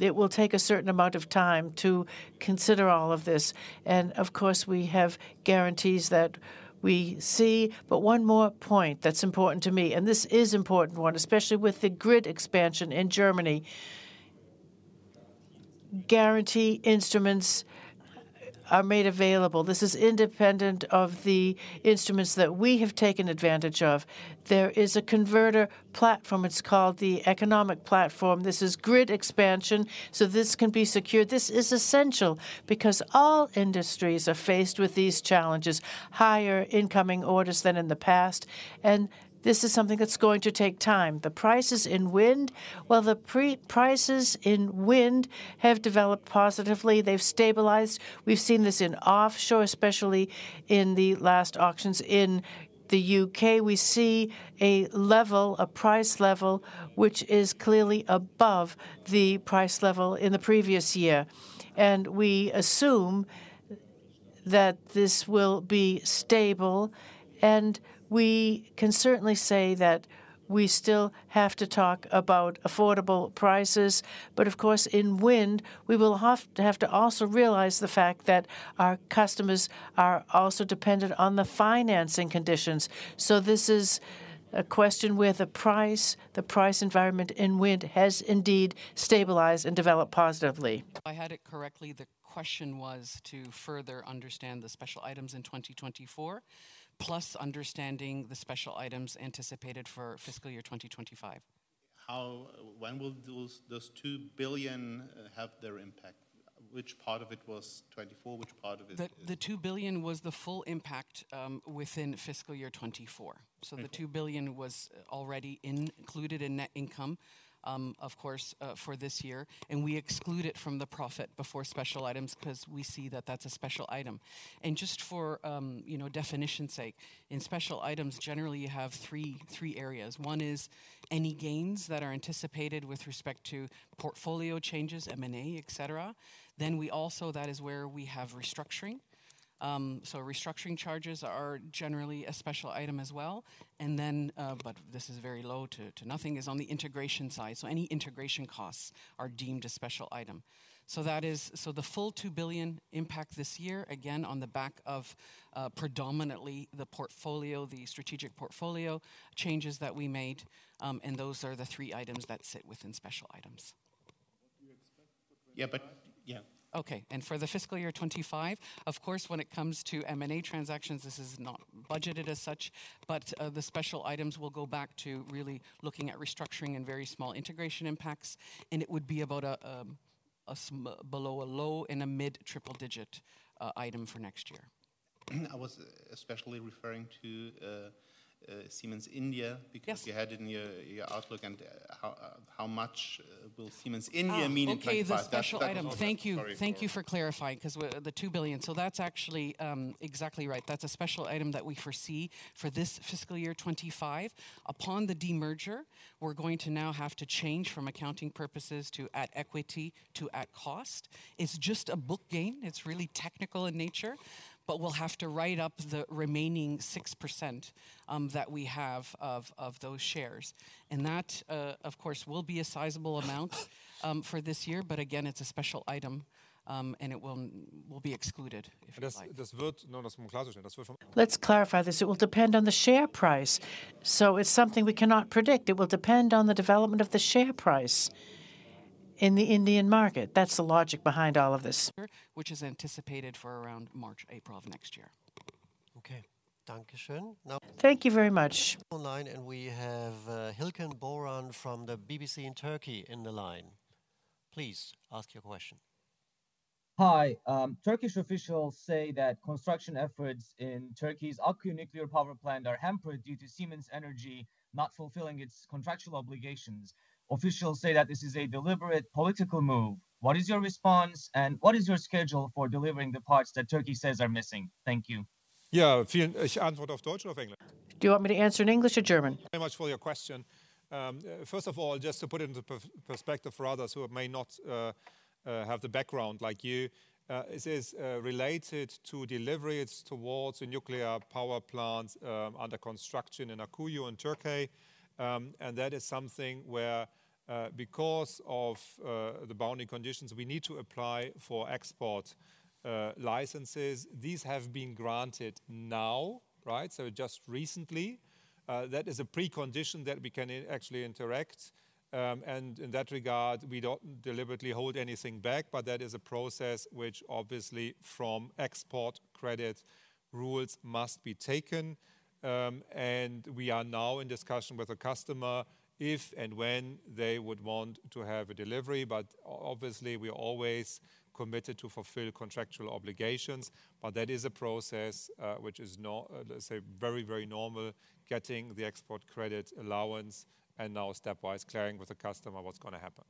It will take a certain amount of time to consider all of this. And of course, we have guarantees that we see. One more point that's important to me, and this is an important one, especially with the grid expansion in Germany. Guarantee instruments are made available. This is independent of the instruments that we have taken advantage of. There is a converter platform. It's called the economic platform. This is grid expansion, so this can be secured. This is essential because all industries are faced with these challenges, higher incoming orders than in the past, and this is something that's going to take time. The prices in wind, well, the prices in wind have developed positively. They've stabilized. We've seen this in offshore, especially in the last auctions in the U.K. We see a level, a price level, which is clearly above the price level in the previous year, and we assume that this will be stable. And we can certainly say that we still have to talk about affordable prices. But of course, in wind, we will have to also realize the fact that our customers are also dependent on the financing conditions. So, this is a question where the price, the price environment in wind has indeed stabilized and developed positively. If I had it correctly, the question was to further understand the special items in 2024, plus understanding the special items anticipated for fiscal year 2025. How, when will those 2 billion have their impact? Which part of it was 24? Which part of it? The 2 billion was the full impact within fiscal year 2024. So, the 2 billion was already included in net income, of course, for this year. And we exclude it from the profit before special items because we see that that's a special item. Just for, you know, definition's sake, in special items, generally, you have three areas. One is any gains that are anticipated with respect to portfolio changes, M&A, et cetera. Then we also, that is where we have restructuring. So, restructuring charges are generally a special item as well. And then, but this is very low to nothing, is on the integration side. So, any integration costs are deemed a special item. So, that is, so the full 2 billion impact this year, again, on the back of predominantly the portfolio, the strategic portfolio changes that we made. And those are the three items that sit within special items. Yeah, but yeah. Okay. For the fiscal year 2025, of course, when it comes to M&A transactions, this is not budgeted as such. But the special items will go back to really looking at restructuring and very small integration impacts. It would be about below a low- and mid-triple-digit item for next year. I was especially referring to Siemens India because you had it in your outlook. How much will Siemens India mean in terms of special items? Thank you. Thank you for clarifying because the 2 billion. That's actually exactly right. That's a special item that we foresee for this fiscal year 25. Upon the demerger, we're going to now have to change from accounting purposes to at equity to at cost. It's just a book gain. It's really technical in nature. We'll have to write up the remaining 6% that we have of those shares. That, of course, will be a sizable amount for this year. Again, it's a special item, and it will be excluded. Let's clarify this. It will depend on the share price. So, it's something we cannot predict. It will depend on the development of the share price in the Indian market. That's the logic behind all of this, which is anticipated for around March, April of next year. Okay. Thank you very much. And we have Hilken Boran from the BBC in Turkey on the line. Please ask your question. Hi. Turkish officials say that construction efforts in Turkey's Akkuyu Nuclear Power Plant are hampered due to Siemens Energy not fulfilling its contractual obligations. Officials say that this is a deliberate political move. What is your response? And what is your schedule for delivering the parts that Turkey says are missing? Thank you. Yeah. Do you want me to answer in English or German? Thank you very much for your question. First of all, just to put it into perspective for others who may not have the background like you, this is related to deliveries towards the nuclear power plants under construction in Akkuyu in Turkey. And that is something where, because of the boundary conditions, we need to apply for export licenses. These have been granted now, right? So, just recently. That is a precondition that we can actually interact. And in that regard, we don't deliberately hold anything back. But that is a process which obviously from export credit rules must be taken. And we are now in discussion with a customer if and when they would want to have a delivery. But obviously, we are always committed to fulfill contractual obligations. But that is a process which is, let's say, very, very normal, getting the export credit allowance and now stepwise clearing with a customer what's going to happen.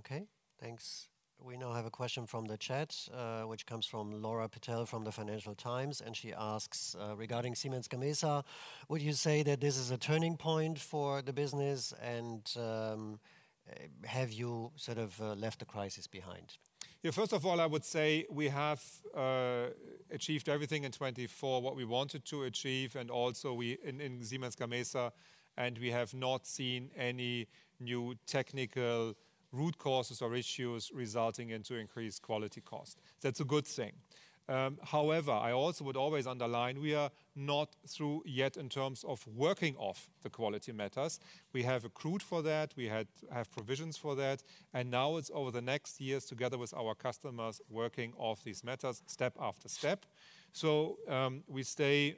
Okay. Thanks. We now have a question from the chat, which comes from Laura Pitel from the Financial Times. And she asks regarding Siemens Gamesa. Would you say that this is a turning point for the business? And have you sort of left the crisis behind? Yeah. First of all, I would say we have achieved everything in 2024, what we wanted to achieve. And also in Siemens Gamesa, and we have not seen any new technical root causes or issues resulting into increased quality cost. That's a good thing. However, I also would always underline we are not through yet in terms of working off the quality matters. We have accrued for that. We have provisions for that. Now it's over the next years together with our customers working off these matters step after step. We stay,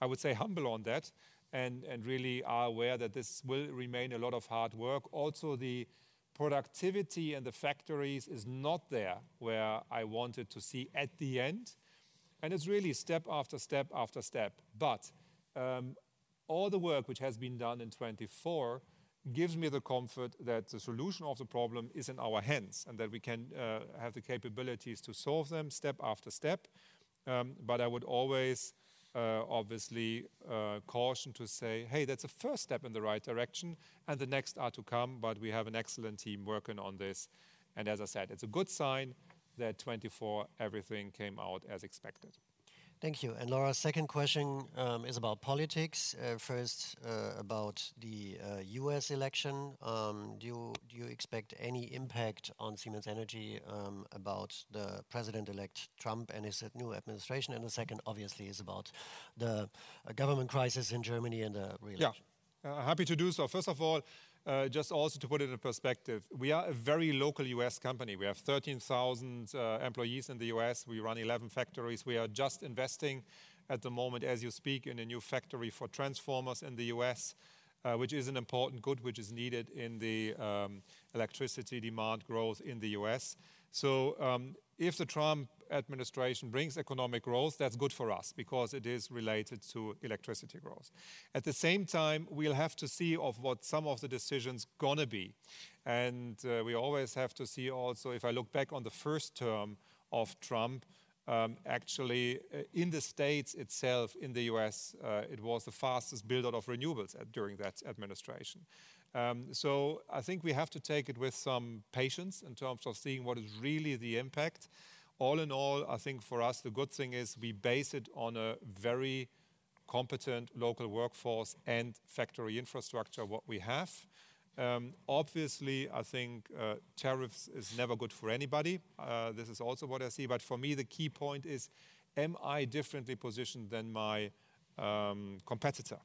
I would say, humble on that and really are aware that this will remain a lot of hard work. Also, the productivity and the factories is not there where I wanted to see at the end. It's really step after step after step. All the work which has been done in 2024 gives me the comfort that the solution of the problem is in our hands and that we can have the capabilities to solve them step after step. I would always obviously caution to say, hey, that's a first step in the right direction. The next are to come. We have an excellent team working on this. As I said, it's a good sign that 2024, everything came out as expected. Thank you. And Laura, second question is about politics. First, about the U.S. election. Do you expect any impact on Siemens Energy about the president-elect Trump and his new administration? And the second, obviously, is about the government crisis in Germany and the reelection. Yeah. Happy to do so. First of all, just also to put it in perspective, we are a very local U.S. company. We have 13,000 employees in the U.S. We run 11 factories. We are just investing at the moment, as you speak, in a new factory for transformers in the U.S., which is an important good which is needed in the electricity demand growth in the U.S. So, if the Trump administration brings economic growth, that's good for us because it is related to electricity growth. At the same time, we'll have to see of what some of the decisions are going to be. And we always have to see also, if I look back on the first term of Trump, actually in the states itself in the U.S., it was the fastest build-out of renewables during that administration. So, I think we have to take it with some patience in terms of seeing what is really the impact. All in all, I think for us, the good thing is we base it on a very competent local workforce and factory infrastructure what we have. Obviously, I think tariffs are never good for anybody. This is also what I see. But for me, the key point is, am I differently positioned than my competitor?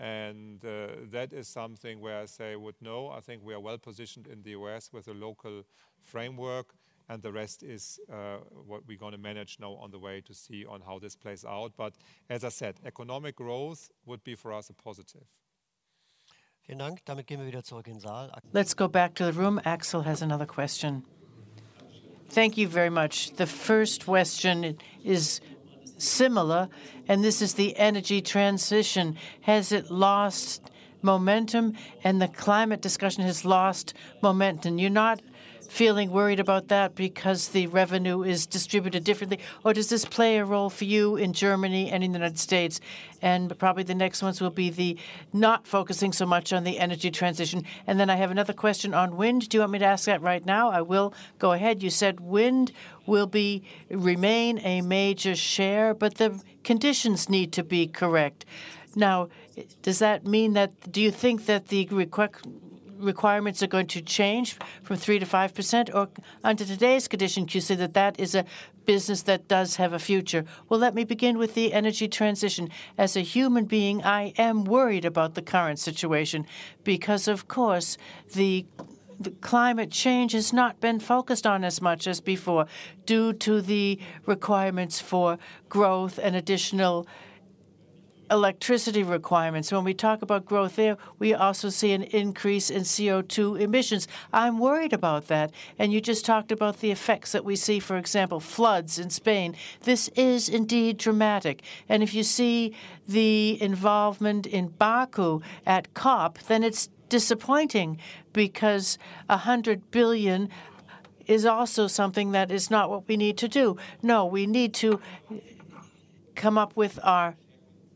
And that is something where I say, with no, I think we are well positioned in the U.S. with a local framework. And the rest is what we're going to manage now on the way to see on how this plays out. But as I said, economic growth would be for us a positive. Vielen Dank. Damit gehen wir wieder zurück in den Saal. Let's go back to the room. Axel has another question. Thank you very much. The first question is similar. And this is the energy transition. Has it lost momentum? And the climate discussion has lost momentum. You're not feeling worried about that because the revenue is distributed differently? Or does this play a role for you in Germany and in the United States? And probably the next ones will be the not focusing so much on the energy transition. And then I have another question on wind. Do you want me to ask that right now? I will go ahead. You said wind will remain a major share, but the conditions need to be correct. Now, does that mean that do you think that the requirements are going to change from 3%-5%? Or under today's condition, can you say that that is a business that does have a future? Let me begin with the energy transition. As a human being, I am worried about the current situation because, of course, the climate change has not been focused on as much as before due to the requirements for growth and additional electricity requirements. When we talk about growth there, we also see an increase in CO2 emissions. I'm worried about that. And you just talked about the effects that we see, for example, floods in Spain. This is indeed dramatic. If you see the involvement in Baku at COP, then it's disappointing because 100 billion is also something that is not what we need to do. No, we need to come up with more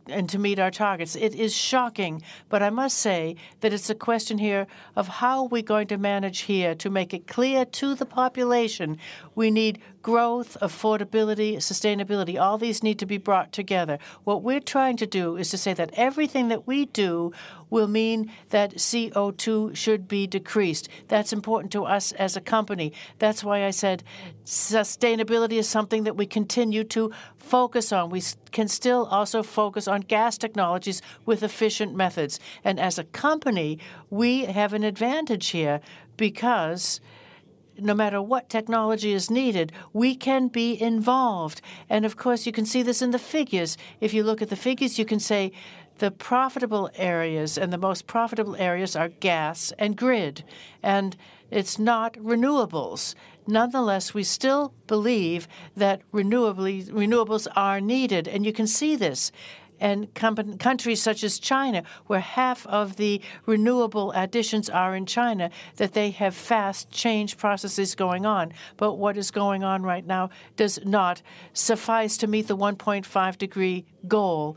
and to meet our targets. It is shocking. I must say that it's a question here of how are we going to manage here to make it clear to the population we need growth, affordability, sustainability. All these need to be brought together. What we're trying to do is to say that everything that we do will mean that CO2 should be decreased. That's important to us as a company. That's why I said sustainability is something that we continue to focus on. We can still also focus on gas technologies with efficient methods. As a company, we have an advantage here because no matter what technology is needed, we can be involved. Of course, you can see this in the figures. If you look at the figures, you can say the profitable areas and the most profitable areas are gas and grid. It's not renewables. Nonetheless, we still believe that renewables are needed. You can see this. Countries such as China, where half of the renewable additions are in China, that they have fast change processes going on. But what is going on right now does not suffice to meet the 1.5-degree goal.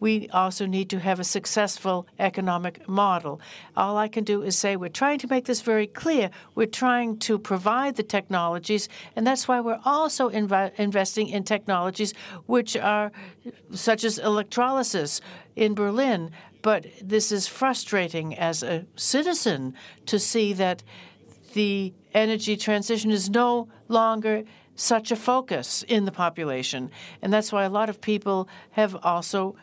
We also need to have a successful economic model. All I can do is say we're trying to make this very clear. We're trying to provide the technologies. That's why we're also investing in technologies which are such as electrolysis in Berlin. This is frustrating as a citizen to see that the energy transition is no longer such a focus in the population. And that's why a lot of people have also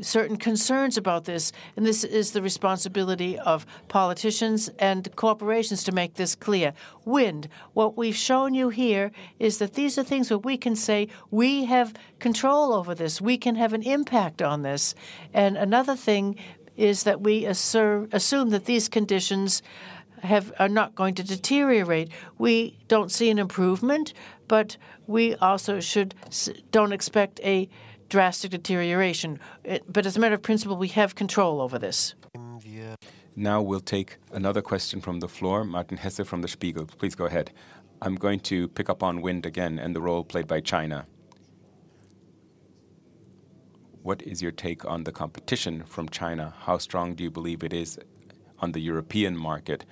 certain concerns about this. And this is the responsibility of politicians and corporations to make this clear. Wind, what we've shown you here is that these are things where we can say we have control over this. We can have an impact on this. And another thing is that we assume that these conditions are not going to deteriorate. We don't see an improvement, but we also don't expect a drastic deterioration. But as a matter of principle, we have control over this. Now we'll take another question from the floor. Martin Hesse from Der Spiegel. Please go ahead. I'm going to pick up on wind again and the role played by China. What is your take on the competition from China? How strong do you believe it is on the European market?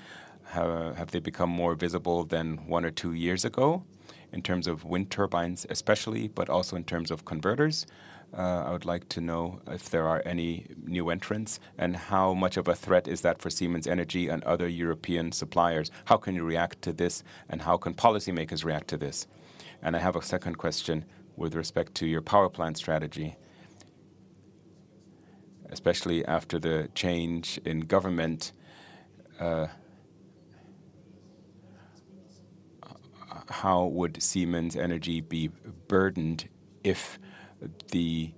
Have they become more visible than one or two years ago in terms of wind turbines, especially, but also in terms of converters? I would like to know if there are any new entrants and how much of a threat is that for Siemens Energy and other European suppliers? How can you react to this? And how can policymakers react to this? And I have a second question with respect to your power plant strategy, especially after the change in government. How would Siemens Energy be burdened if the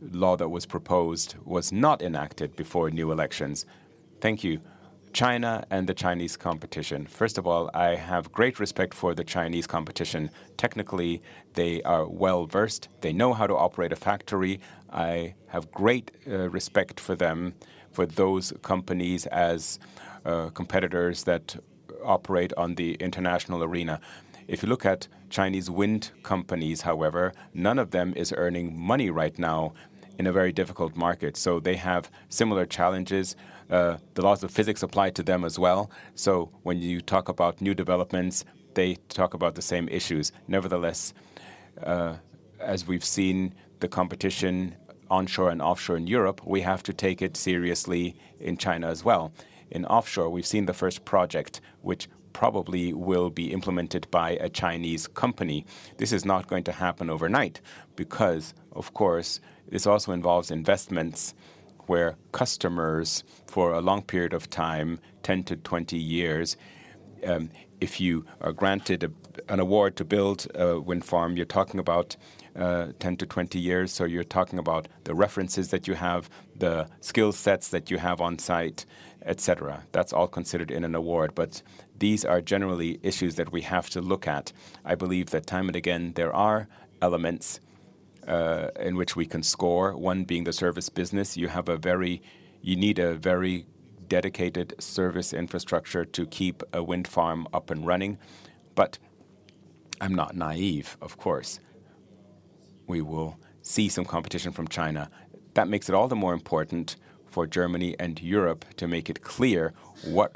law that was proposed was not enacted before new elections? Thank you. China and the Chinese competition. First of all, I have great respect for the Chinese competition. Technically, they are well-versed. They know how to operate a factory. I have great respect for them, for those companies as competitors that operate on the international arena. If you look at Chinese wind companies, however, none of them is earning money right now in a very difficult market. So they have similar challenges. The laws of physics apply to them as well. So when you talk about new developments, they talk about the same issues. Nevertheless, as we've seen the competition onshore and offshore in Europe, we have to take it seriously in China as well. In offshore, we've seen the first project, which probably will be implemented by a Chinese company. This is not going to happen overnight because, of course, this also involves investments where customers for a long period of time, 10 to 20 years, if you are granted an award to build a wind farm, you're talking about 10 to 20 years. So you're talking about the references that you have, the skill sets that you have on site, etc. That's all considered in an award. But these are generally issues that we have to look at. I believe that time and again, there are elements in which we can score. One being the service business. You need a very dedicated service infrastructure to keep a wind farm up and running. But I'm not naive, of course. We will see some competition from China. That makes it all the more important for Germany and Europe to make it clear what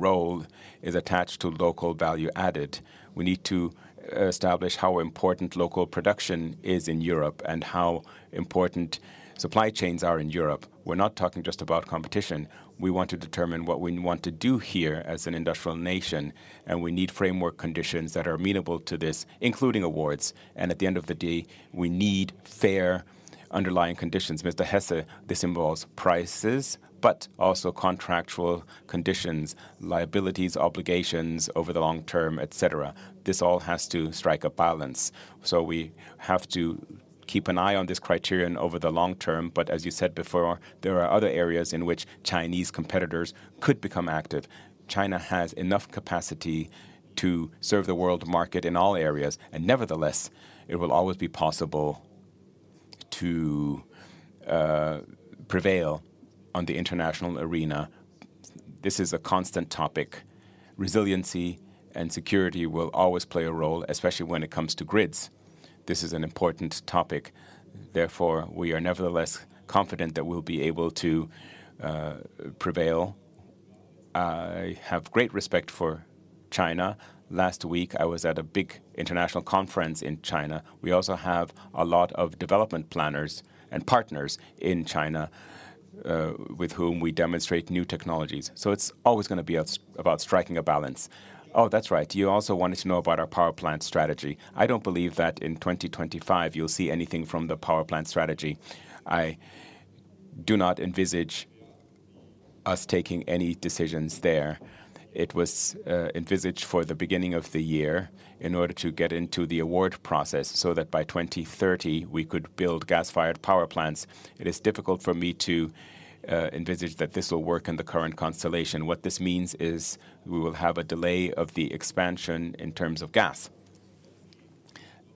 role is attached to local value added. We need to establish how important local production is in Europe and how important supply chains are in Europe. We're not talking just about competition. We want to determine what we want to do here as an industrial nation. We need framework conditions that are amenable to this, including awards. At the end of the day, we need fair underlying conditions. Mr. Hesse, this involves prices, but also contractual conditions, liabilities, obligations over the long term, etc. This all has to strike a balance. We have to keep an eye on this criterion over the long term. As you said before, there are other areas in which Chinese competitors could become active. China has enough capacity to serve the world market in all areas. Nevertheless, it will always be possible to prevail on the international arena. This is a constant topic. Resiliency and security will always play a role, especially when it comes to grids. This is an important topic. Therefore, we are nevertheless confident that we'll be able to prevail. I have great respect for China. Last week, I was at a big international conference in China. We also have a lot of development planners and partners in China with whom we demonstrate new technologies. So it's always going to be about striking a balance. Oh, that's right. You also wanted to know about our power plant strategy. I don't believe that in 2025 you'll see anything from the power plant strategy. I do not envisage us taking any decisions there. It was envisaged for the beginning of the year in order to get into the award process so that by 2030, we could build gas-fired power plants. It is difficult for me to envisage that this will work in the current constellation. What this means is we will have a delay of the expansion in terms of gas.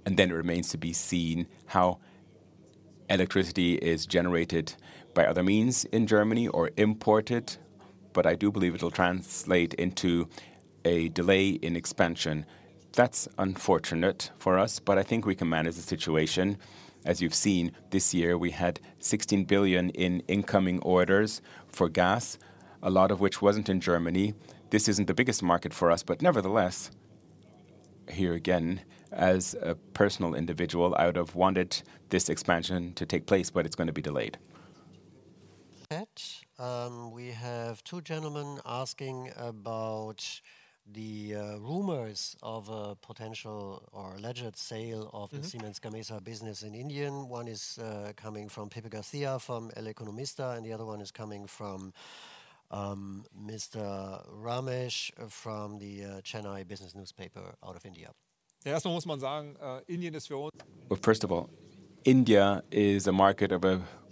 And then it remains to be seen how electricity is generated by other means in Germany or imported. But I do believe it will translate into a delay in expansion. That's unfortunate for us. But I think we can manage the situation. As you've seen, this year, we had 16 billion in incoming orders for gas, a lot of which wasn't in Germany. This isn't the biggest market for us. But nevertheless, here again, as a personal individual, I would have wanted this expansion to take place, but it's going to be delayed. We have two gentlemen asking about the rumors of a potential or alleged sale of the Siemens Gamesa business in India. One is coming from Pepe García from El Economista. And the other one is coming from Mr. Ramesh from the Chennai Business Newspaper out of India. First of all, India is a market of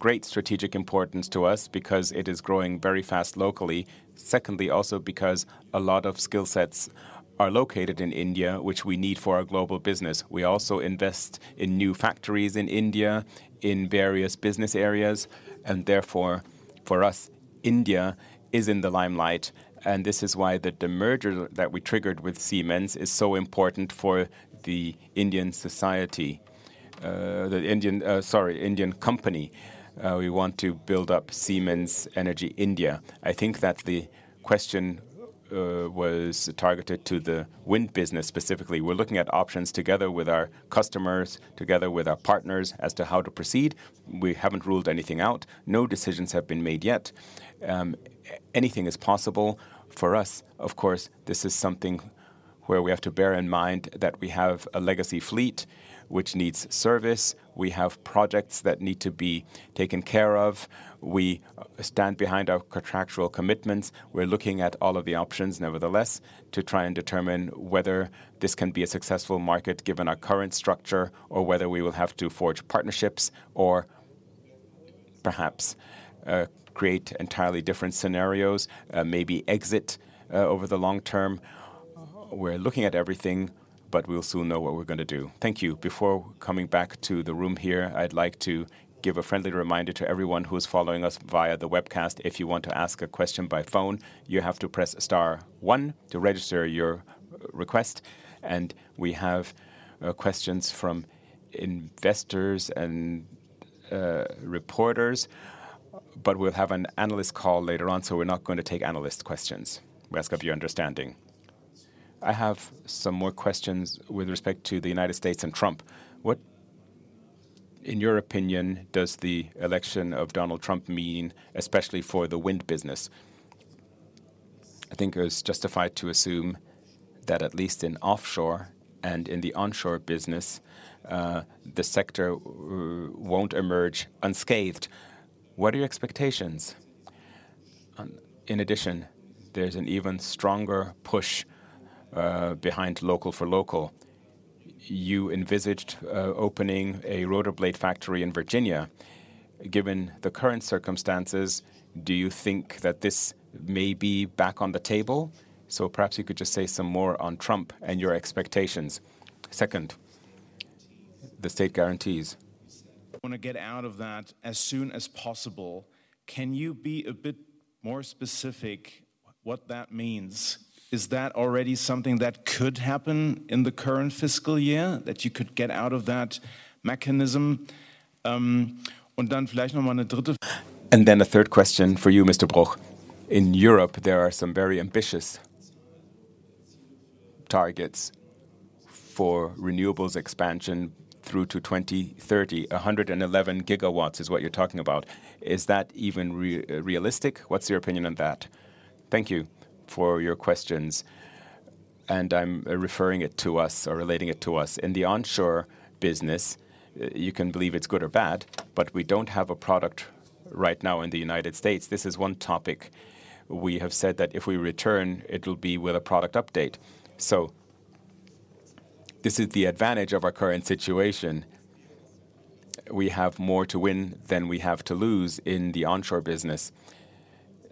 great strategic importance to us because it is growing very fast locally. Secondly, also because a lot of skill sets are located in India, which we need for our global business. We also invest in new factories in India in various business areas. And therefore, for us, India is in the limelight. And this is why the merger that we triggered with Siemens is so important for the Indian society, the Indian, sorry, Indian company. We want to build up Siemens Energy India. I think that the question was targeted to the wind business specifically. We're looking at options together with our customers, together with our partners as to how to proceed. We haven't ruled anything out. No decisions have been made yet. Anything is possible for us. Of course, this is something where we have to bear in mind that we have a legacy fleet which needs service. We have projects that need to be taken care of. We stand behind our contractual commitments. We're looking at all of the options, nevertheless, to try and determine whether this can be a successful market given our current structure or whether we will have to forge partnerships or perhaps create entirely different scenarios, maybe exit over the long term. We're looking at everything, but we'll soon know what we're going to do. Thank you. Before coming back to the room here, I'd like to give a friendly reminder to everyone who is following us via the webcast. If you want to ask a question by phone, you have to press star one to register your request, and we have questions from investors and reporters. But we'll have an analyst call later on. So we're not going to take analyst questions. We ask of your understanding. I have some more questions with respect to the United States and Trump. What, in your opinion, does the election of Donald Trump mean, especially for the wind business? I think it is justified to assume that at least in offshore and in the onshore business, the sector won't emerge unscathed. What are your expectations? In addition, there's an even stronger push behind local for local. You envisaged opening a rotor blade factory in Virginia. Given the current circumstances, do you think that this may be back on the table? So perhaps you could just say some more on Trump and your expectations. Second, the state guarantees. Want to get out of that as soon as possible. Can you be a bit more specific what that means? Is that already something that could happen in the current fiscal year that you could get out of that mechanism? And then a third question for you, Mr. Bruch. In Europe, there are some very ambitious targets for renewables expansion through to 2030. 111 gigawatts is what you're talking about. Is that even realistic? What's your opinion on that? Thank you for your questions. And I'm referring it to us or relating it to us. In the onshore business, you can believe it's good or bad, but we don't have a product right now in the United States. This is one topic. We have said that if we return, it will be with a product update. So this is the advantage of our current situation. We have more to win than we have to lose in the onshore business.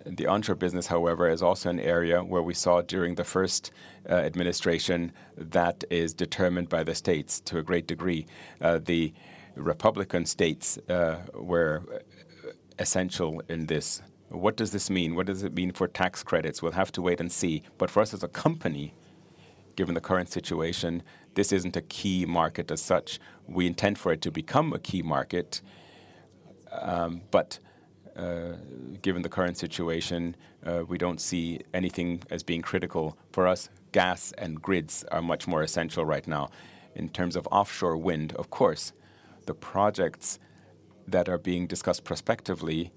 The onshore business, however, is also an area where we saw during the first administration that is determined by the states to a great degree. The Republican states were essential in this. What does this mean? What does it mean for tax credits? We'll have to wait and see. But for us as a company, given the current situation, this isn't a key market as such. We intend for it to become a key market. But given the current situation, we don't see anything as being critical for us. Gas and grids are much more essential right now. In terms of offshore wind, of course, the projects that are being discussed prospectively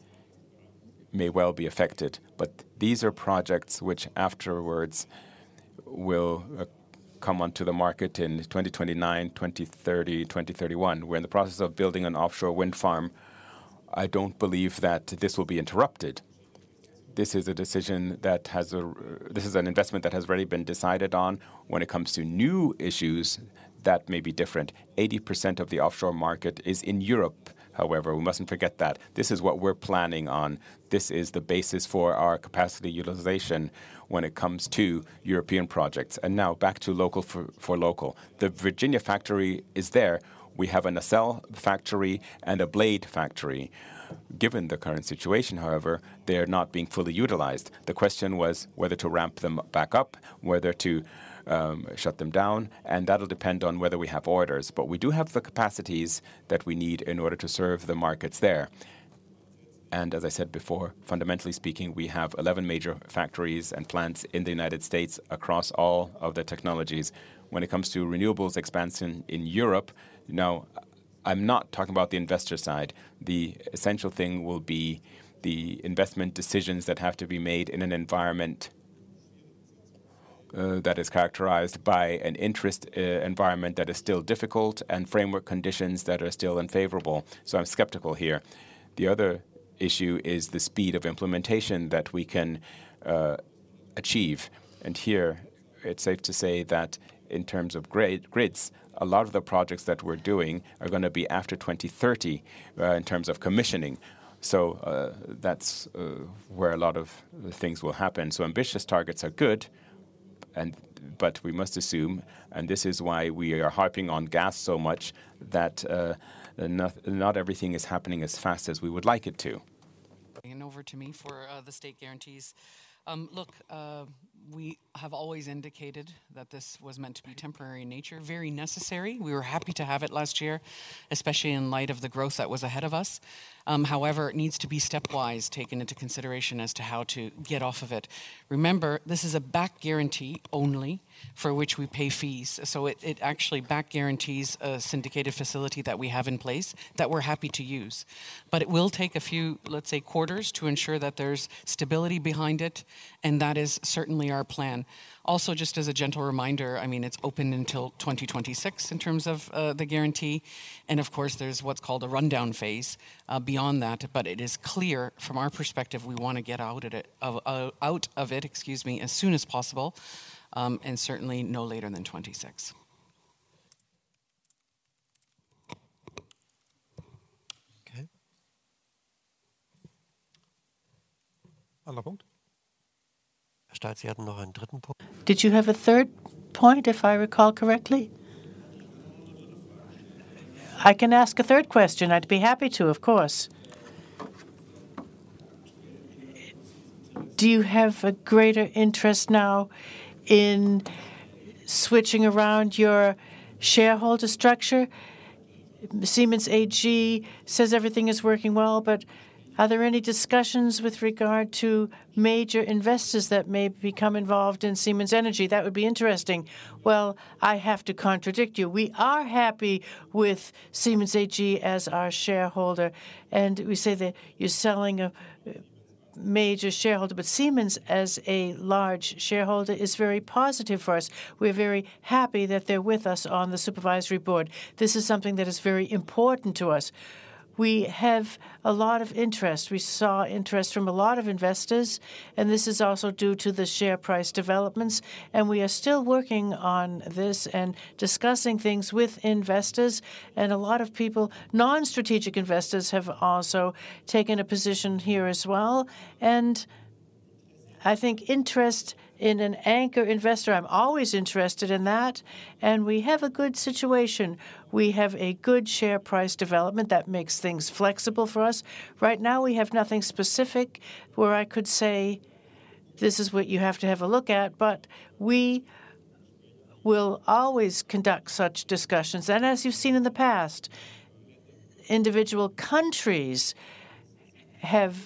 may well be affected. But these are projects which afterwards will come onto the market in 2029, 2030, 2031. We're in the process of building an offshore wind farm. I don't believe that this will be interrupted. This is an investment that has already been decided on when it comes to new issues that may be different. 80% of the offshore market is in Europe. However, we mustn't forget that. This is what we're planning on. This is the basis for our capacity utilization when it comes to European projects. And now back to local for local. The Virginia factory is there. We have an assembly factory and a blade factory. Given the current situation, however, they are not being fully utilized. The question was whether to ramp them back up, whether to shut them down. And that'll depend on whether we have orders. But we do have the capacities that we need in order to serve the markets there. As I said before, fundamentally speaking, we have 11 major factories and plants in the United States across all of the technologies when it comes to renewables expansion in Europe. Now, I'm not talking about the investor side. The essential thing will be the investment decisions that have to be made in an environment that is characterized by an interest environment that is still difficult and framework conditions that are still unfavorable. So I'm skeptical here. The other issue is the speed of implementation that we can achieve. And here, it's safe to say that in terms of grids, a lot of the projects that we're doing are going to be after 2030 in terms of commissioning. So that's where a lot of things will happen. So ambitious targets are good. But we must assume, and this is why we are harping on gas so much, that not everything is happening as fast as we would like it to. And over to me for the state guarantees. Look, we have always indicated that this was meant to be temporary in nature, very necessary. We were happy to have it last year, especially in light of the growth that was ahead of us. However, it needs to be stepwise taken into consideration as to how to get off of it. Remember, this is a back guarantee only for which we pay fees. So it actually back guarantees a syndicated facility that we have in place that we're happy to use. But it will take a few, let's say, quarters to ensure that there's stability behind it. And that is certainly our plan. Also, just as a gentle reminder, I mean, it's open until 2026 in terms of the guarantee. And of course, there's what's called a rundown phase beyond that. But it is clear from our perspective, we want to get out of it, excuse me, as soon as possible and certainly no later than 26. Did you have a third point, if I recall correctly? I can ask a third question. I'd be happy to, of course. Do you have a greater interest now in switching around your shareholder structure? Siemens AG says everything is working well. But are there any discussions with regard to major investors that may become involved in Siemens Energy? That would be interesting. Well, I have to contradict you. We are happy with Siemens AG as our shareholder. And we say that you're selling a major shareholder. But Siemens as a large shareholder is very positive for us. We're very happy that they're with us on the supervisory board. This is something that is very important to us. We have a lot of interest. We saw interest from a lot of investors. And this is also due to the share price developments. And we are still working on this and discussing things with investors. And a lot of people, non-strategic investors, have also taken a position here as well. And I think interest in an anchor investor, I'm always interested in that. And we have a good situation. We have a good share price development that makes things flexible for us. Right now, we have nothing specific where I could say this is what you have to have a look at. But we will always conduct such discussions. As you've seen in the past, individual countries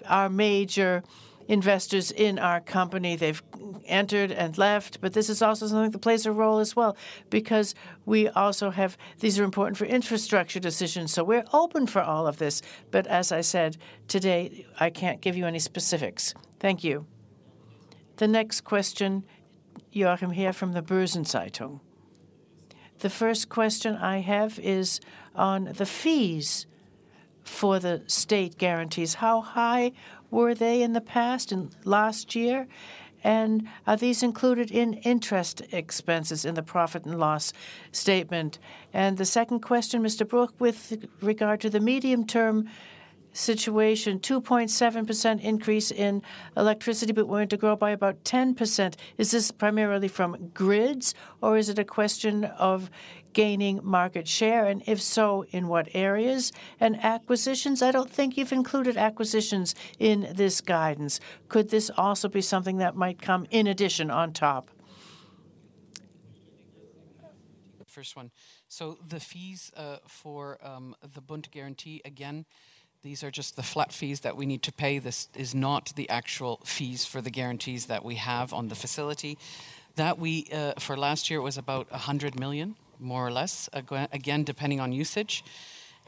are major investors in our company. They've entered and left. But this is also something that plays a role as well because we also have these are important for infrastructure decisions. So we're open for all of this. But as I said today, I can't give you any specifics. Thank you. The next question, Joachim Herr from the Börsen-Zeitung. The first question I have is on the fees for the state guarantees. How high were they in the past and last year? And are these included in interest expenses in the profit and loss statement? And the second question, Mr. Bruch, with regard to the medium-term situation, 2.7% increase in electricity, but we're to grow by about 10%. Is this primarily from grids, or is it a question of gaining market share? And if so, in what areas? Acquisitions, I don't think you've included acquisitions in this guidance. Could this also be something that might come in addition on top? First one. So the fees for the Bund guarantee, again, these are just the flat fees that we need to pay. This is not the actual fees for the guarantees that we have on the facility. That we for last year was about 100 million, more or less, again, depending on usage.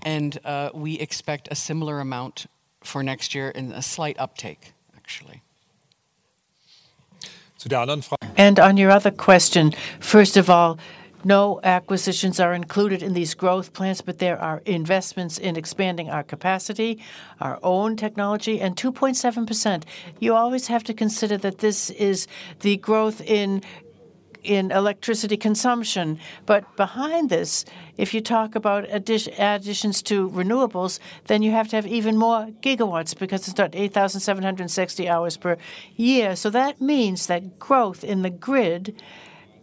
And we expect a similar amount for next year and a slight uptake, actually. And on your other question, first of all, no acquisitions are included in these growth plans, but there are investments in expanding our capacity, our own technology, and 2.7%. You always have to consider that this is the growth in electricity consumption. But behind this, if you talk about additions to renewables, then you have to have even more gigawatts because it's not 8,760 hours per year. So that means that growth in the grid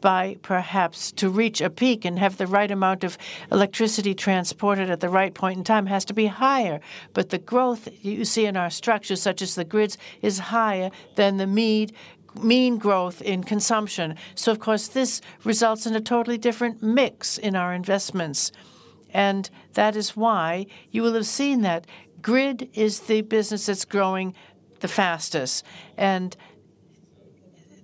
by perhaps to reach a peak and have the right amount of electricity transported at the right point in time has to be higher. But the growth you see in our structures, such as the grids, is higher than the mean growth in consumption. So, of course, this results in a totally different mix in our investments. And that is why you will have seen that grid is the business that's growing the fastest. And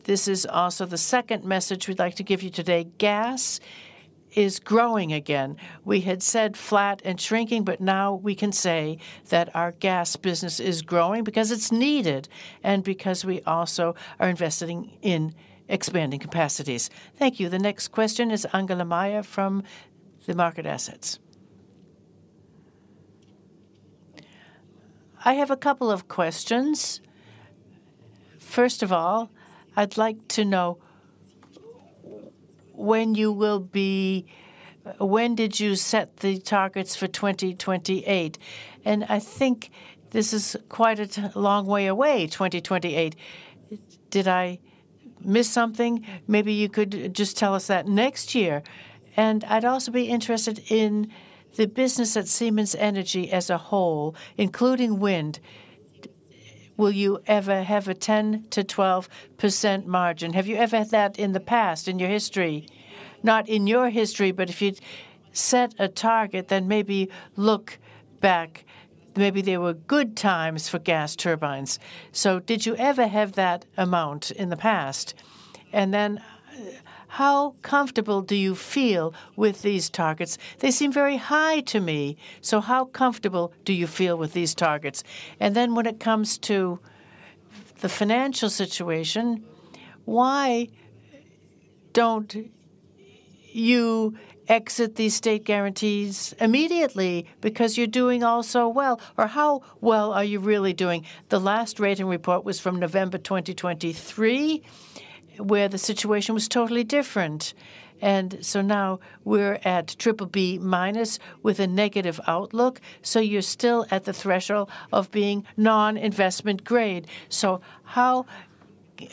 this is also the second message we'd like to give you today. Gas is growing again. We had said flat and shrinking, but now we can say that our gas business is growing because it's needed and because we also are investing in expanding capacities. Thank you. The next question is Angela Maier from Manager Magazin. I have a couple of questions. First of all, I'd like to know when you will be when did you set the targets for 2028? And I think this is quite a long way away, 2028. Did I miss something? Maybe you could just tell us that next year. And I'd also be interested in the business at Siemens Energy as a whole, including wind. Will you ever have a 10%-12% margin? Have you ever had that in the past in your history? Not in your history, but if you set a target, then maybe look back. Maybe there were good times for gas turbines. Did you ever have that amount in the past? And then how comfortable do you feel with these targets? They seem very high to me. So how comfortable do you feel with these targets? And then when it comes to the financial situation, why don't you exit these state guarantees immediately because you're doing all so well? Or how well are you really doing? The last rating report was from November 2023, where the situation was totally different. And so now we're at triple B minus with a negative outlook. So you're still at the threshold of being non-investment grade. So how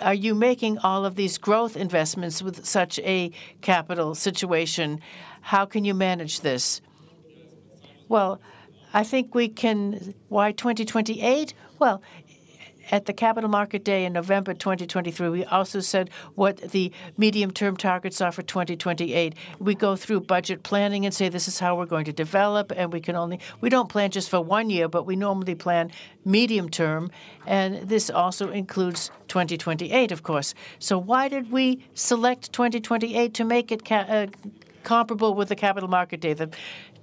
are you making all of these growth investments with such a capital situation? How can you manage this? Well, I think we can. Why 2028? Well, at the Capital Market Day in November 2023, we also said what the medium-term targets are for 2028. We go through budget planning and say, this is how we're going to develop. We don't plan just for one year, but we normally plan medium-term, and this also includes 2028, of course, so why did we select 2028 to make it comparable with the Capital Market Day, the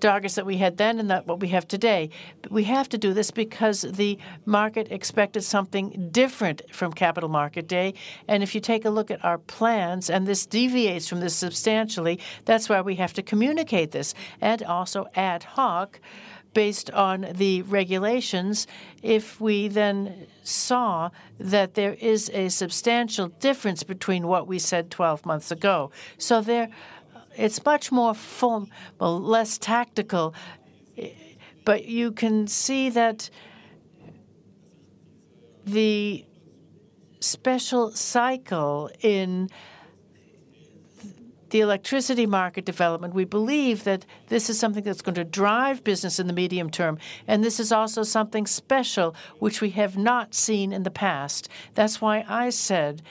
targets that we had then and what we have today? We have to do this because the market expected something different from Capital Market Day, and if you take a look at our plans, and this deviates from this substantially, that's why we have to communicate this and also ad hoc based on the regulations if we then saw that there is a substantial difference between what we said 12 months ago, so it's much more formal, less tactical. But you can see that the special cycle in the electricity market development, we believe that this is something that's going to drive business in the medium term. And this is also something special, which we have not seen in the past. That's why I said,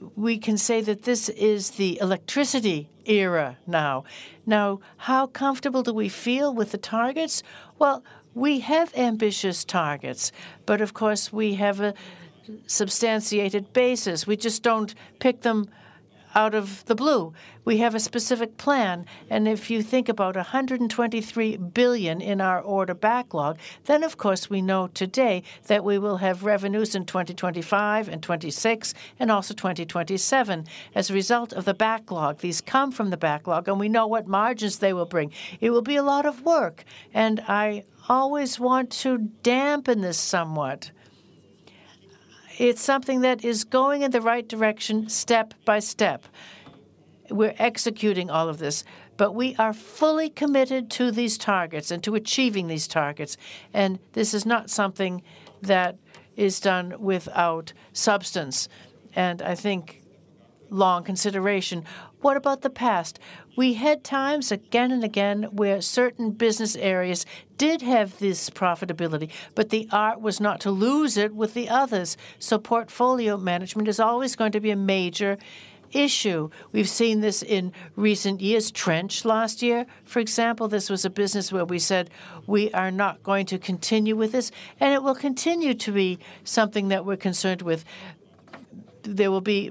and we can say that this is the electricity era now. Now, how comfortable do we feel with the targets? Well, we have ambitious targets. But of course, we have a substantiated basis. We just don't pick them out of the blue. We have a specific plan. And if you think about 123 billion in our order backlog, then of course, we know today that we will have revenues in 2025 and 2026 and also 2027 as a result of the backlog. These come from the backlog. And we know what margins they will bring. It will be a lot of work. I always want to dampen this somewhat. It's something that is going in the right direction step by step. We're executing all of this. We are fully committed to these targets and to achieving these targets. This is not something that is done without substance. I think long consideration. What about the past? We had times again and again where certain business areas did have this profitability, but the art was not to lose it with the others. Portfolio management is always going to be a major issue. We've seen this in recent years. Trench last year, for example, this was a business where we said, we are not going to continue with this. It will continue to be something that we're concerned with. There will be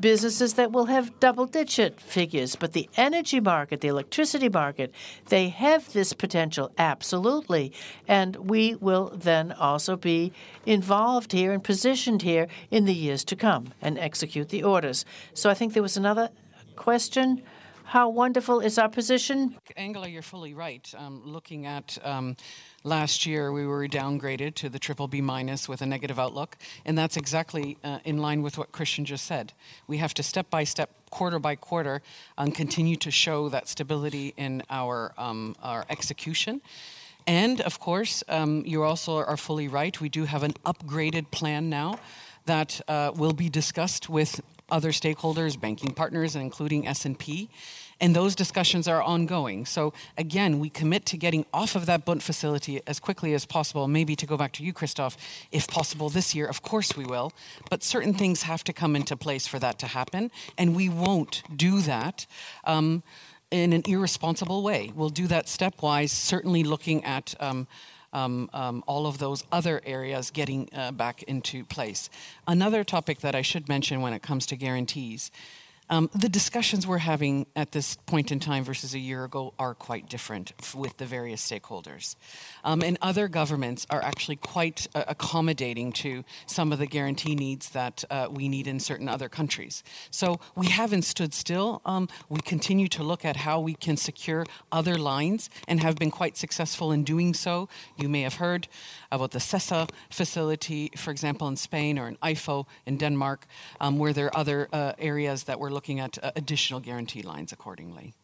businesses that will have double-digit figures. But the energy market, the electricity market, they have this potential, absolutely, and we will then also be involved here and positioned here in the years to come and execute the orders, so I think there was another question. How wonderful is our position? Angela, you're fully right. Looking at last year, we were downgraded to the triple B minus with a negative outlook, and that's exactly in line with what Christian just said. We have to step by step, quarter by quarter, continue to show that stability in our execution, and of course, you also are fully right. We do have an upgraded plan now that will be discussed with other stakeholders, banking partners, including S&P, and those discussions are ongoing, so again, we commit to getting off of that bond facility as quickly as possible. Maybe to go back to you, Christoph, if possible this year, of course we will. But certain things have to come into place for that to happen. And we won't do that in an irresponsible way. We'll do that stepwise, certainly looking at all of those other areas getting back into place. Another topic that I should mention when it comes to guarantees, the discussions we're having at this point in time versus a year ago are quite different with the various stakeholders. And other governments are actually quite accommodating to some of the guarantee needs that we need in certain other countries. So we haven't stood still. We continue to look at how we can secure other lines and have been quite successful in doing so. You may have heard about the CESCE facility, for example, in Spain or in EIFO in Denmark, where there are other areas that we're looking at additional guarantee lines accordingly.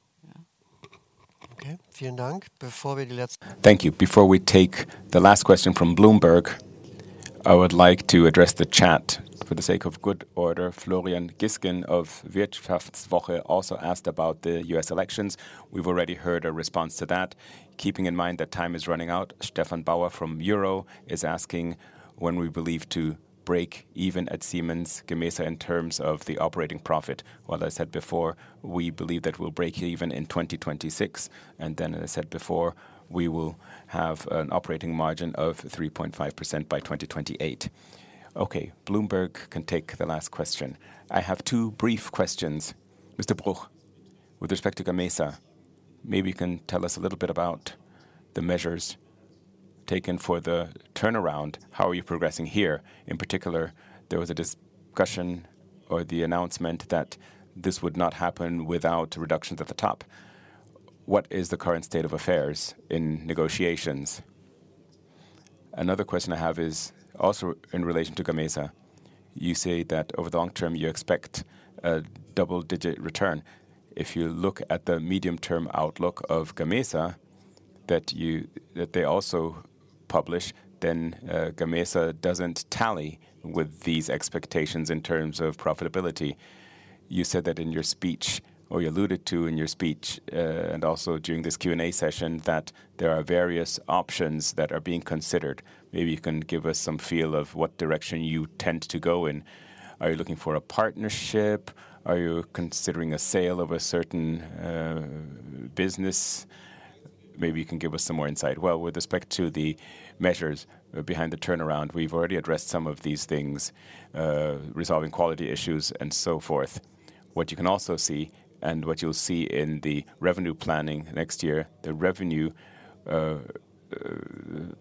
Thank you. Before we take the last question from Bloomberg, I would like to address the chat for the sake of good order. Florian Güßgen of WirtschaftsWoche also asked about the U.S. elections. We've already heard a response to that. Keeping in mind that time is running out, Stefan Bauer from Euro is asking when we believe to break even at Siemens Gamesa in terms of the operating profit. Well, as I said before, we believe that we'll break even in 2026. And then, as I said before, we will have an operating margin of 3.5% by 2028. Okay, Bloomberg can take the last question. I have two brief questions. Mr. Bruch, with respect to Siemens Gamesa, maybe you can tell us a little bit about the measures taken for the turnaround. How are you progressing here? In particular, there was a discussion or the announcement that this would not happen without reductions at the top. What is the current state of affairs in negotiations? Another question I have is also in relation to Siemens Gamesa. You say that over the long term, you expect a double-digit return. If you look at the medium-term outlook of Siemens Gamesa that they also publish, then Siemens Gamesa doesn't tally with these expectations in terms of profitability. You said that in your speech, or you alluded to in your speech, and also during this Q&A session, that there are various options that are being considered. Maybe you can give us some feel of what direction you tend to go in. Are you looking for a partnership? Are you considering a sale of a certain business? Maybe you can give us some more insight. Well, with respect to the measures behind the turnaround, we've already addressed some of these things, resolving quality issues and so forth. What you can also see, and what you'll see in the revenue planning next year, the revenue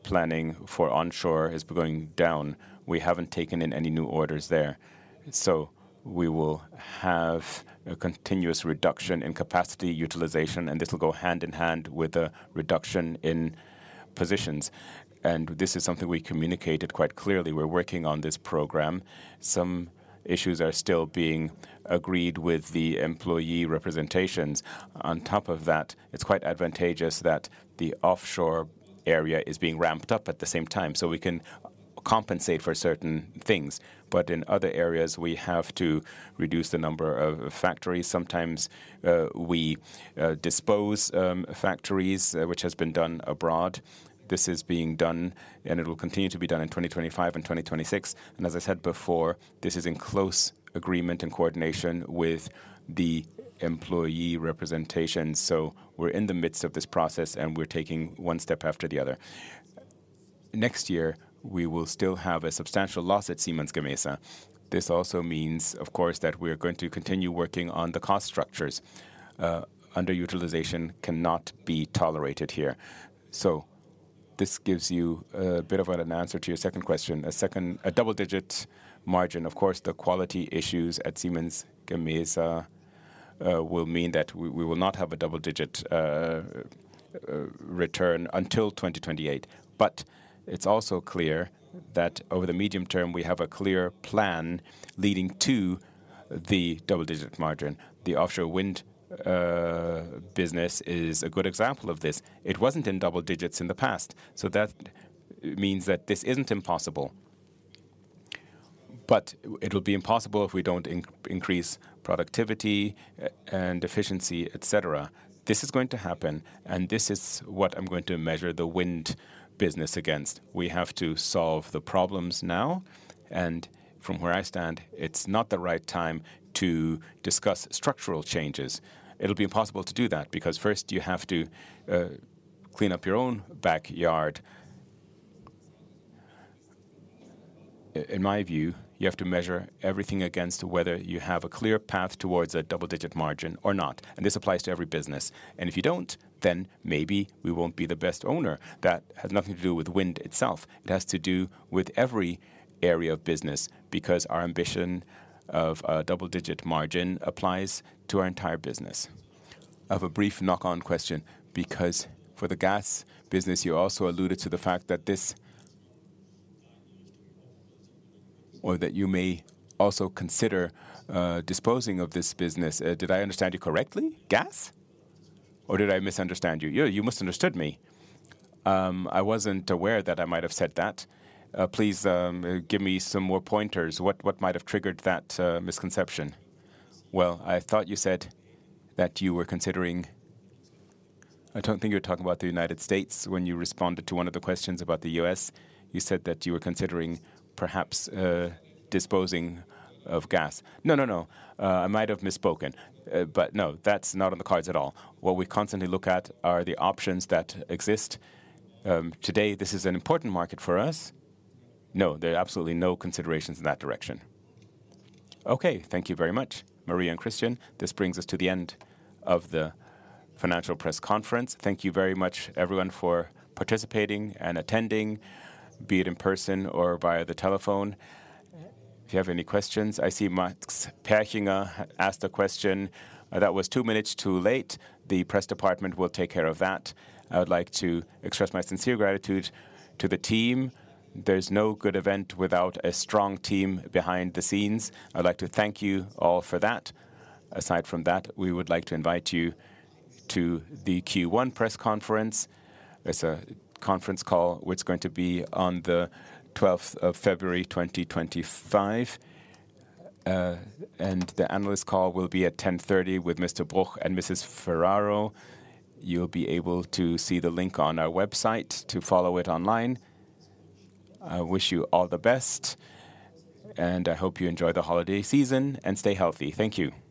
planning for onshore has been going down. We haven't taken in any new orders there. So we will have a continuous reduction in capacity utilization, and this will go hand in hand with a reduction in positions. And this is something we communicated quite clearly. We're working on this program. Some issues are still being agreed with the employee representations. On top of that, it's quite advantageous that the offshore area is being ramped up at the same time. So we can compensate for certain things. But in other areas, we have to reduce the number of factories. Sometimes we dispose of factories, which has been done abroad. This is being done, and it will continue to be done in 2025 and 2026. And as I said before, this is in close agreement and coordination with the employee representation. So we're in the midst of this process, and we're taking one step after the other. Next year, we will still have a substantial loss at Siemens Gamesa. This also means, of course, that we are going to continue working on the cost structures. Underutilization cannot be tolerated here. So this gives you a bit of an answer to your second question. A double-digit margin, of course, the quality issues at Siemens Gamesa will mean that we will not have a double-digit return until 2028. But it's also clear that over the medium term, we have a clear plan leading to the double-digit margin. The offshore wind business is a good example of this. It wasn't in double digits in the past. So that means that this isn't impossible. But it will be impossible if we don't increase productivity and efficiency, etc. This is going to happen, and this is what I'm going to measure the wind business against. We have to solve the problems now. And from where I stand, it's not the right time to discuss structural changes. It'll be impossible to do that because first you have to clean up your own backyard. In my view, you have to measure everything against whether you have a clear path towards a double-digit margin or not. And this applies to every business. And if you don't, then maybe we won't be the best owner. That has nothing to do with wind itself. It has to do with every area of business because our ambition of a double-digit margin applies to our entire business. Of a brief knock-on question, because for the gas business, you also alluded to the fact that this or that you may also consider disposing of this business. Did I understand you correctly? Gas? Or did I misunderstand you? You misunderstood me. I wasn't aware that I might have said that. Please give me some more pointers. What might have triggered that misconception? Well, I thought you said that you were considering. I don't think you were talking about the United States when you responded to one of the questions about the U.S. You said that you were considering perhaps disposing of gas. No, no, no. I might have misspoken. But no, that's not on the cards at all. What we constantly look at are the options that exist. Today, this is an important market for us. No, there are absolutely no considerations in that direction. Okay, thank you very much, Maria and Christian. This brings us to the end of the financial press conference. Thank you very much, everyone, for participating and attending, be it in person or via the telephone. If you have any questions, I see Max Yates asked a question. That was two minutes too late. The press department will take care of that. I would like to express my sincere gratitude to the team. There's no good event without a strong team behind the scenes. I'd like to thank you all for that. Aside from that, we would like to invite you to the Q1 press conference. It's a conference call which is going to be on the 12th of February, 2025. The analyst call will be at 10:30 A.M. with Mr. Bruch and Mrs. Ferraro. You'll be able to see the link on our website to follow it online. I wish you all the best. I hope you enjoy the holiday season and stay healthy. Thank you.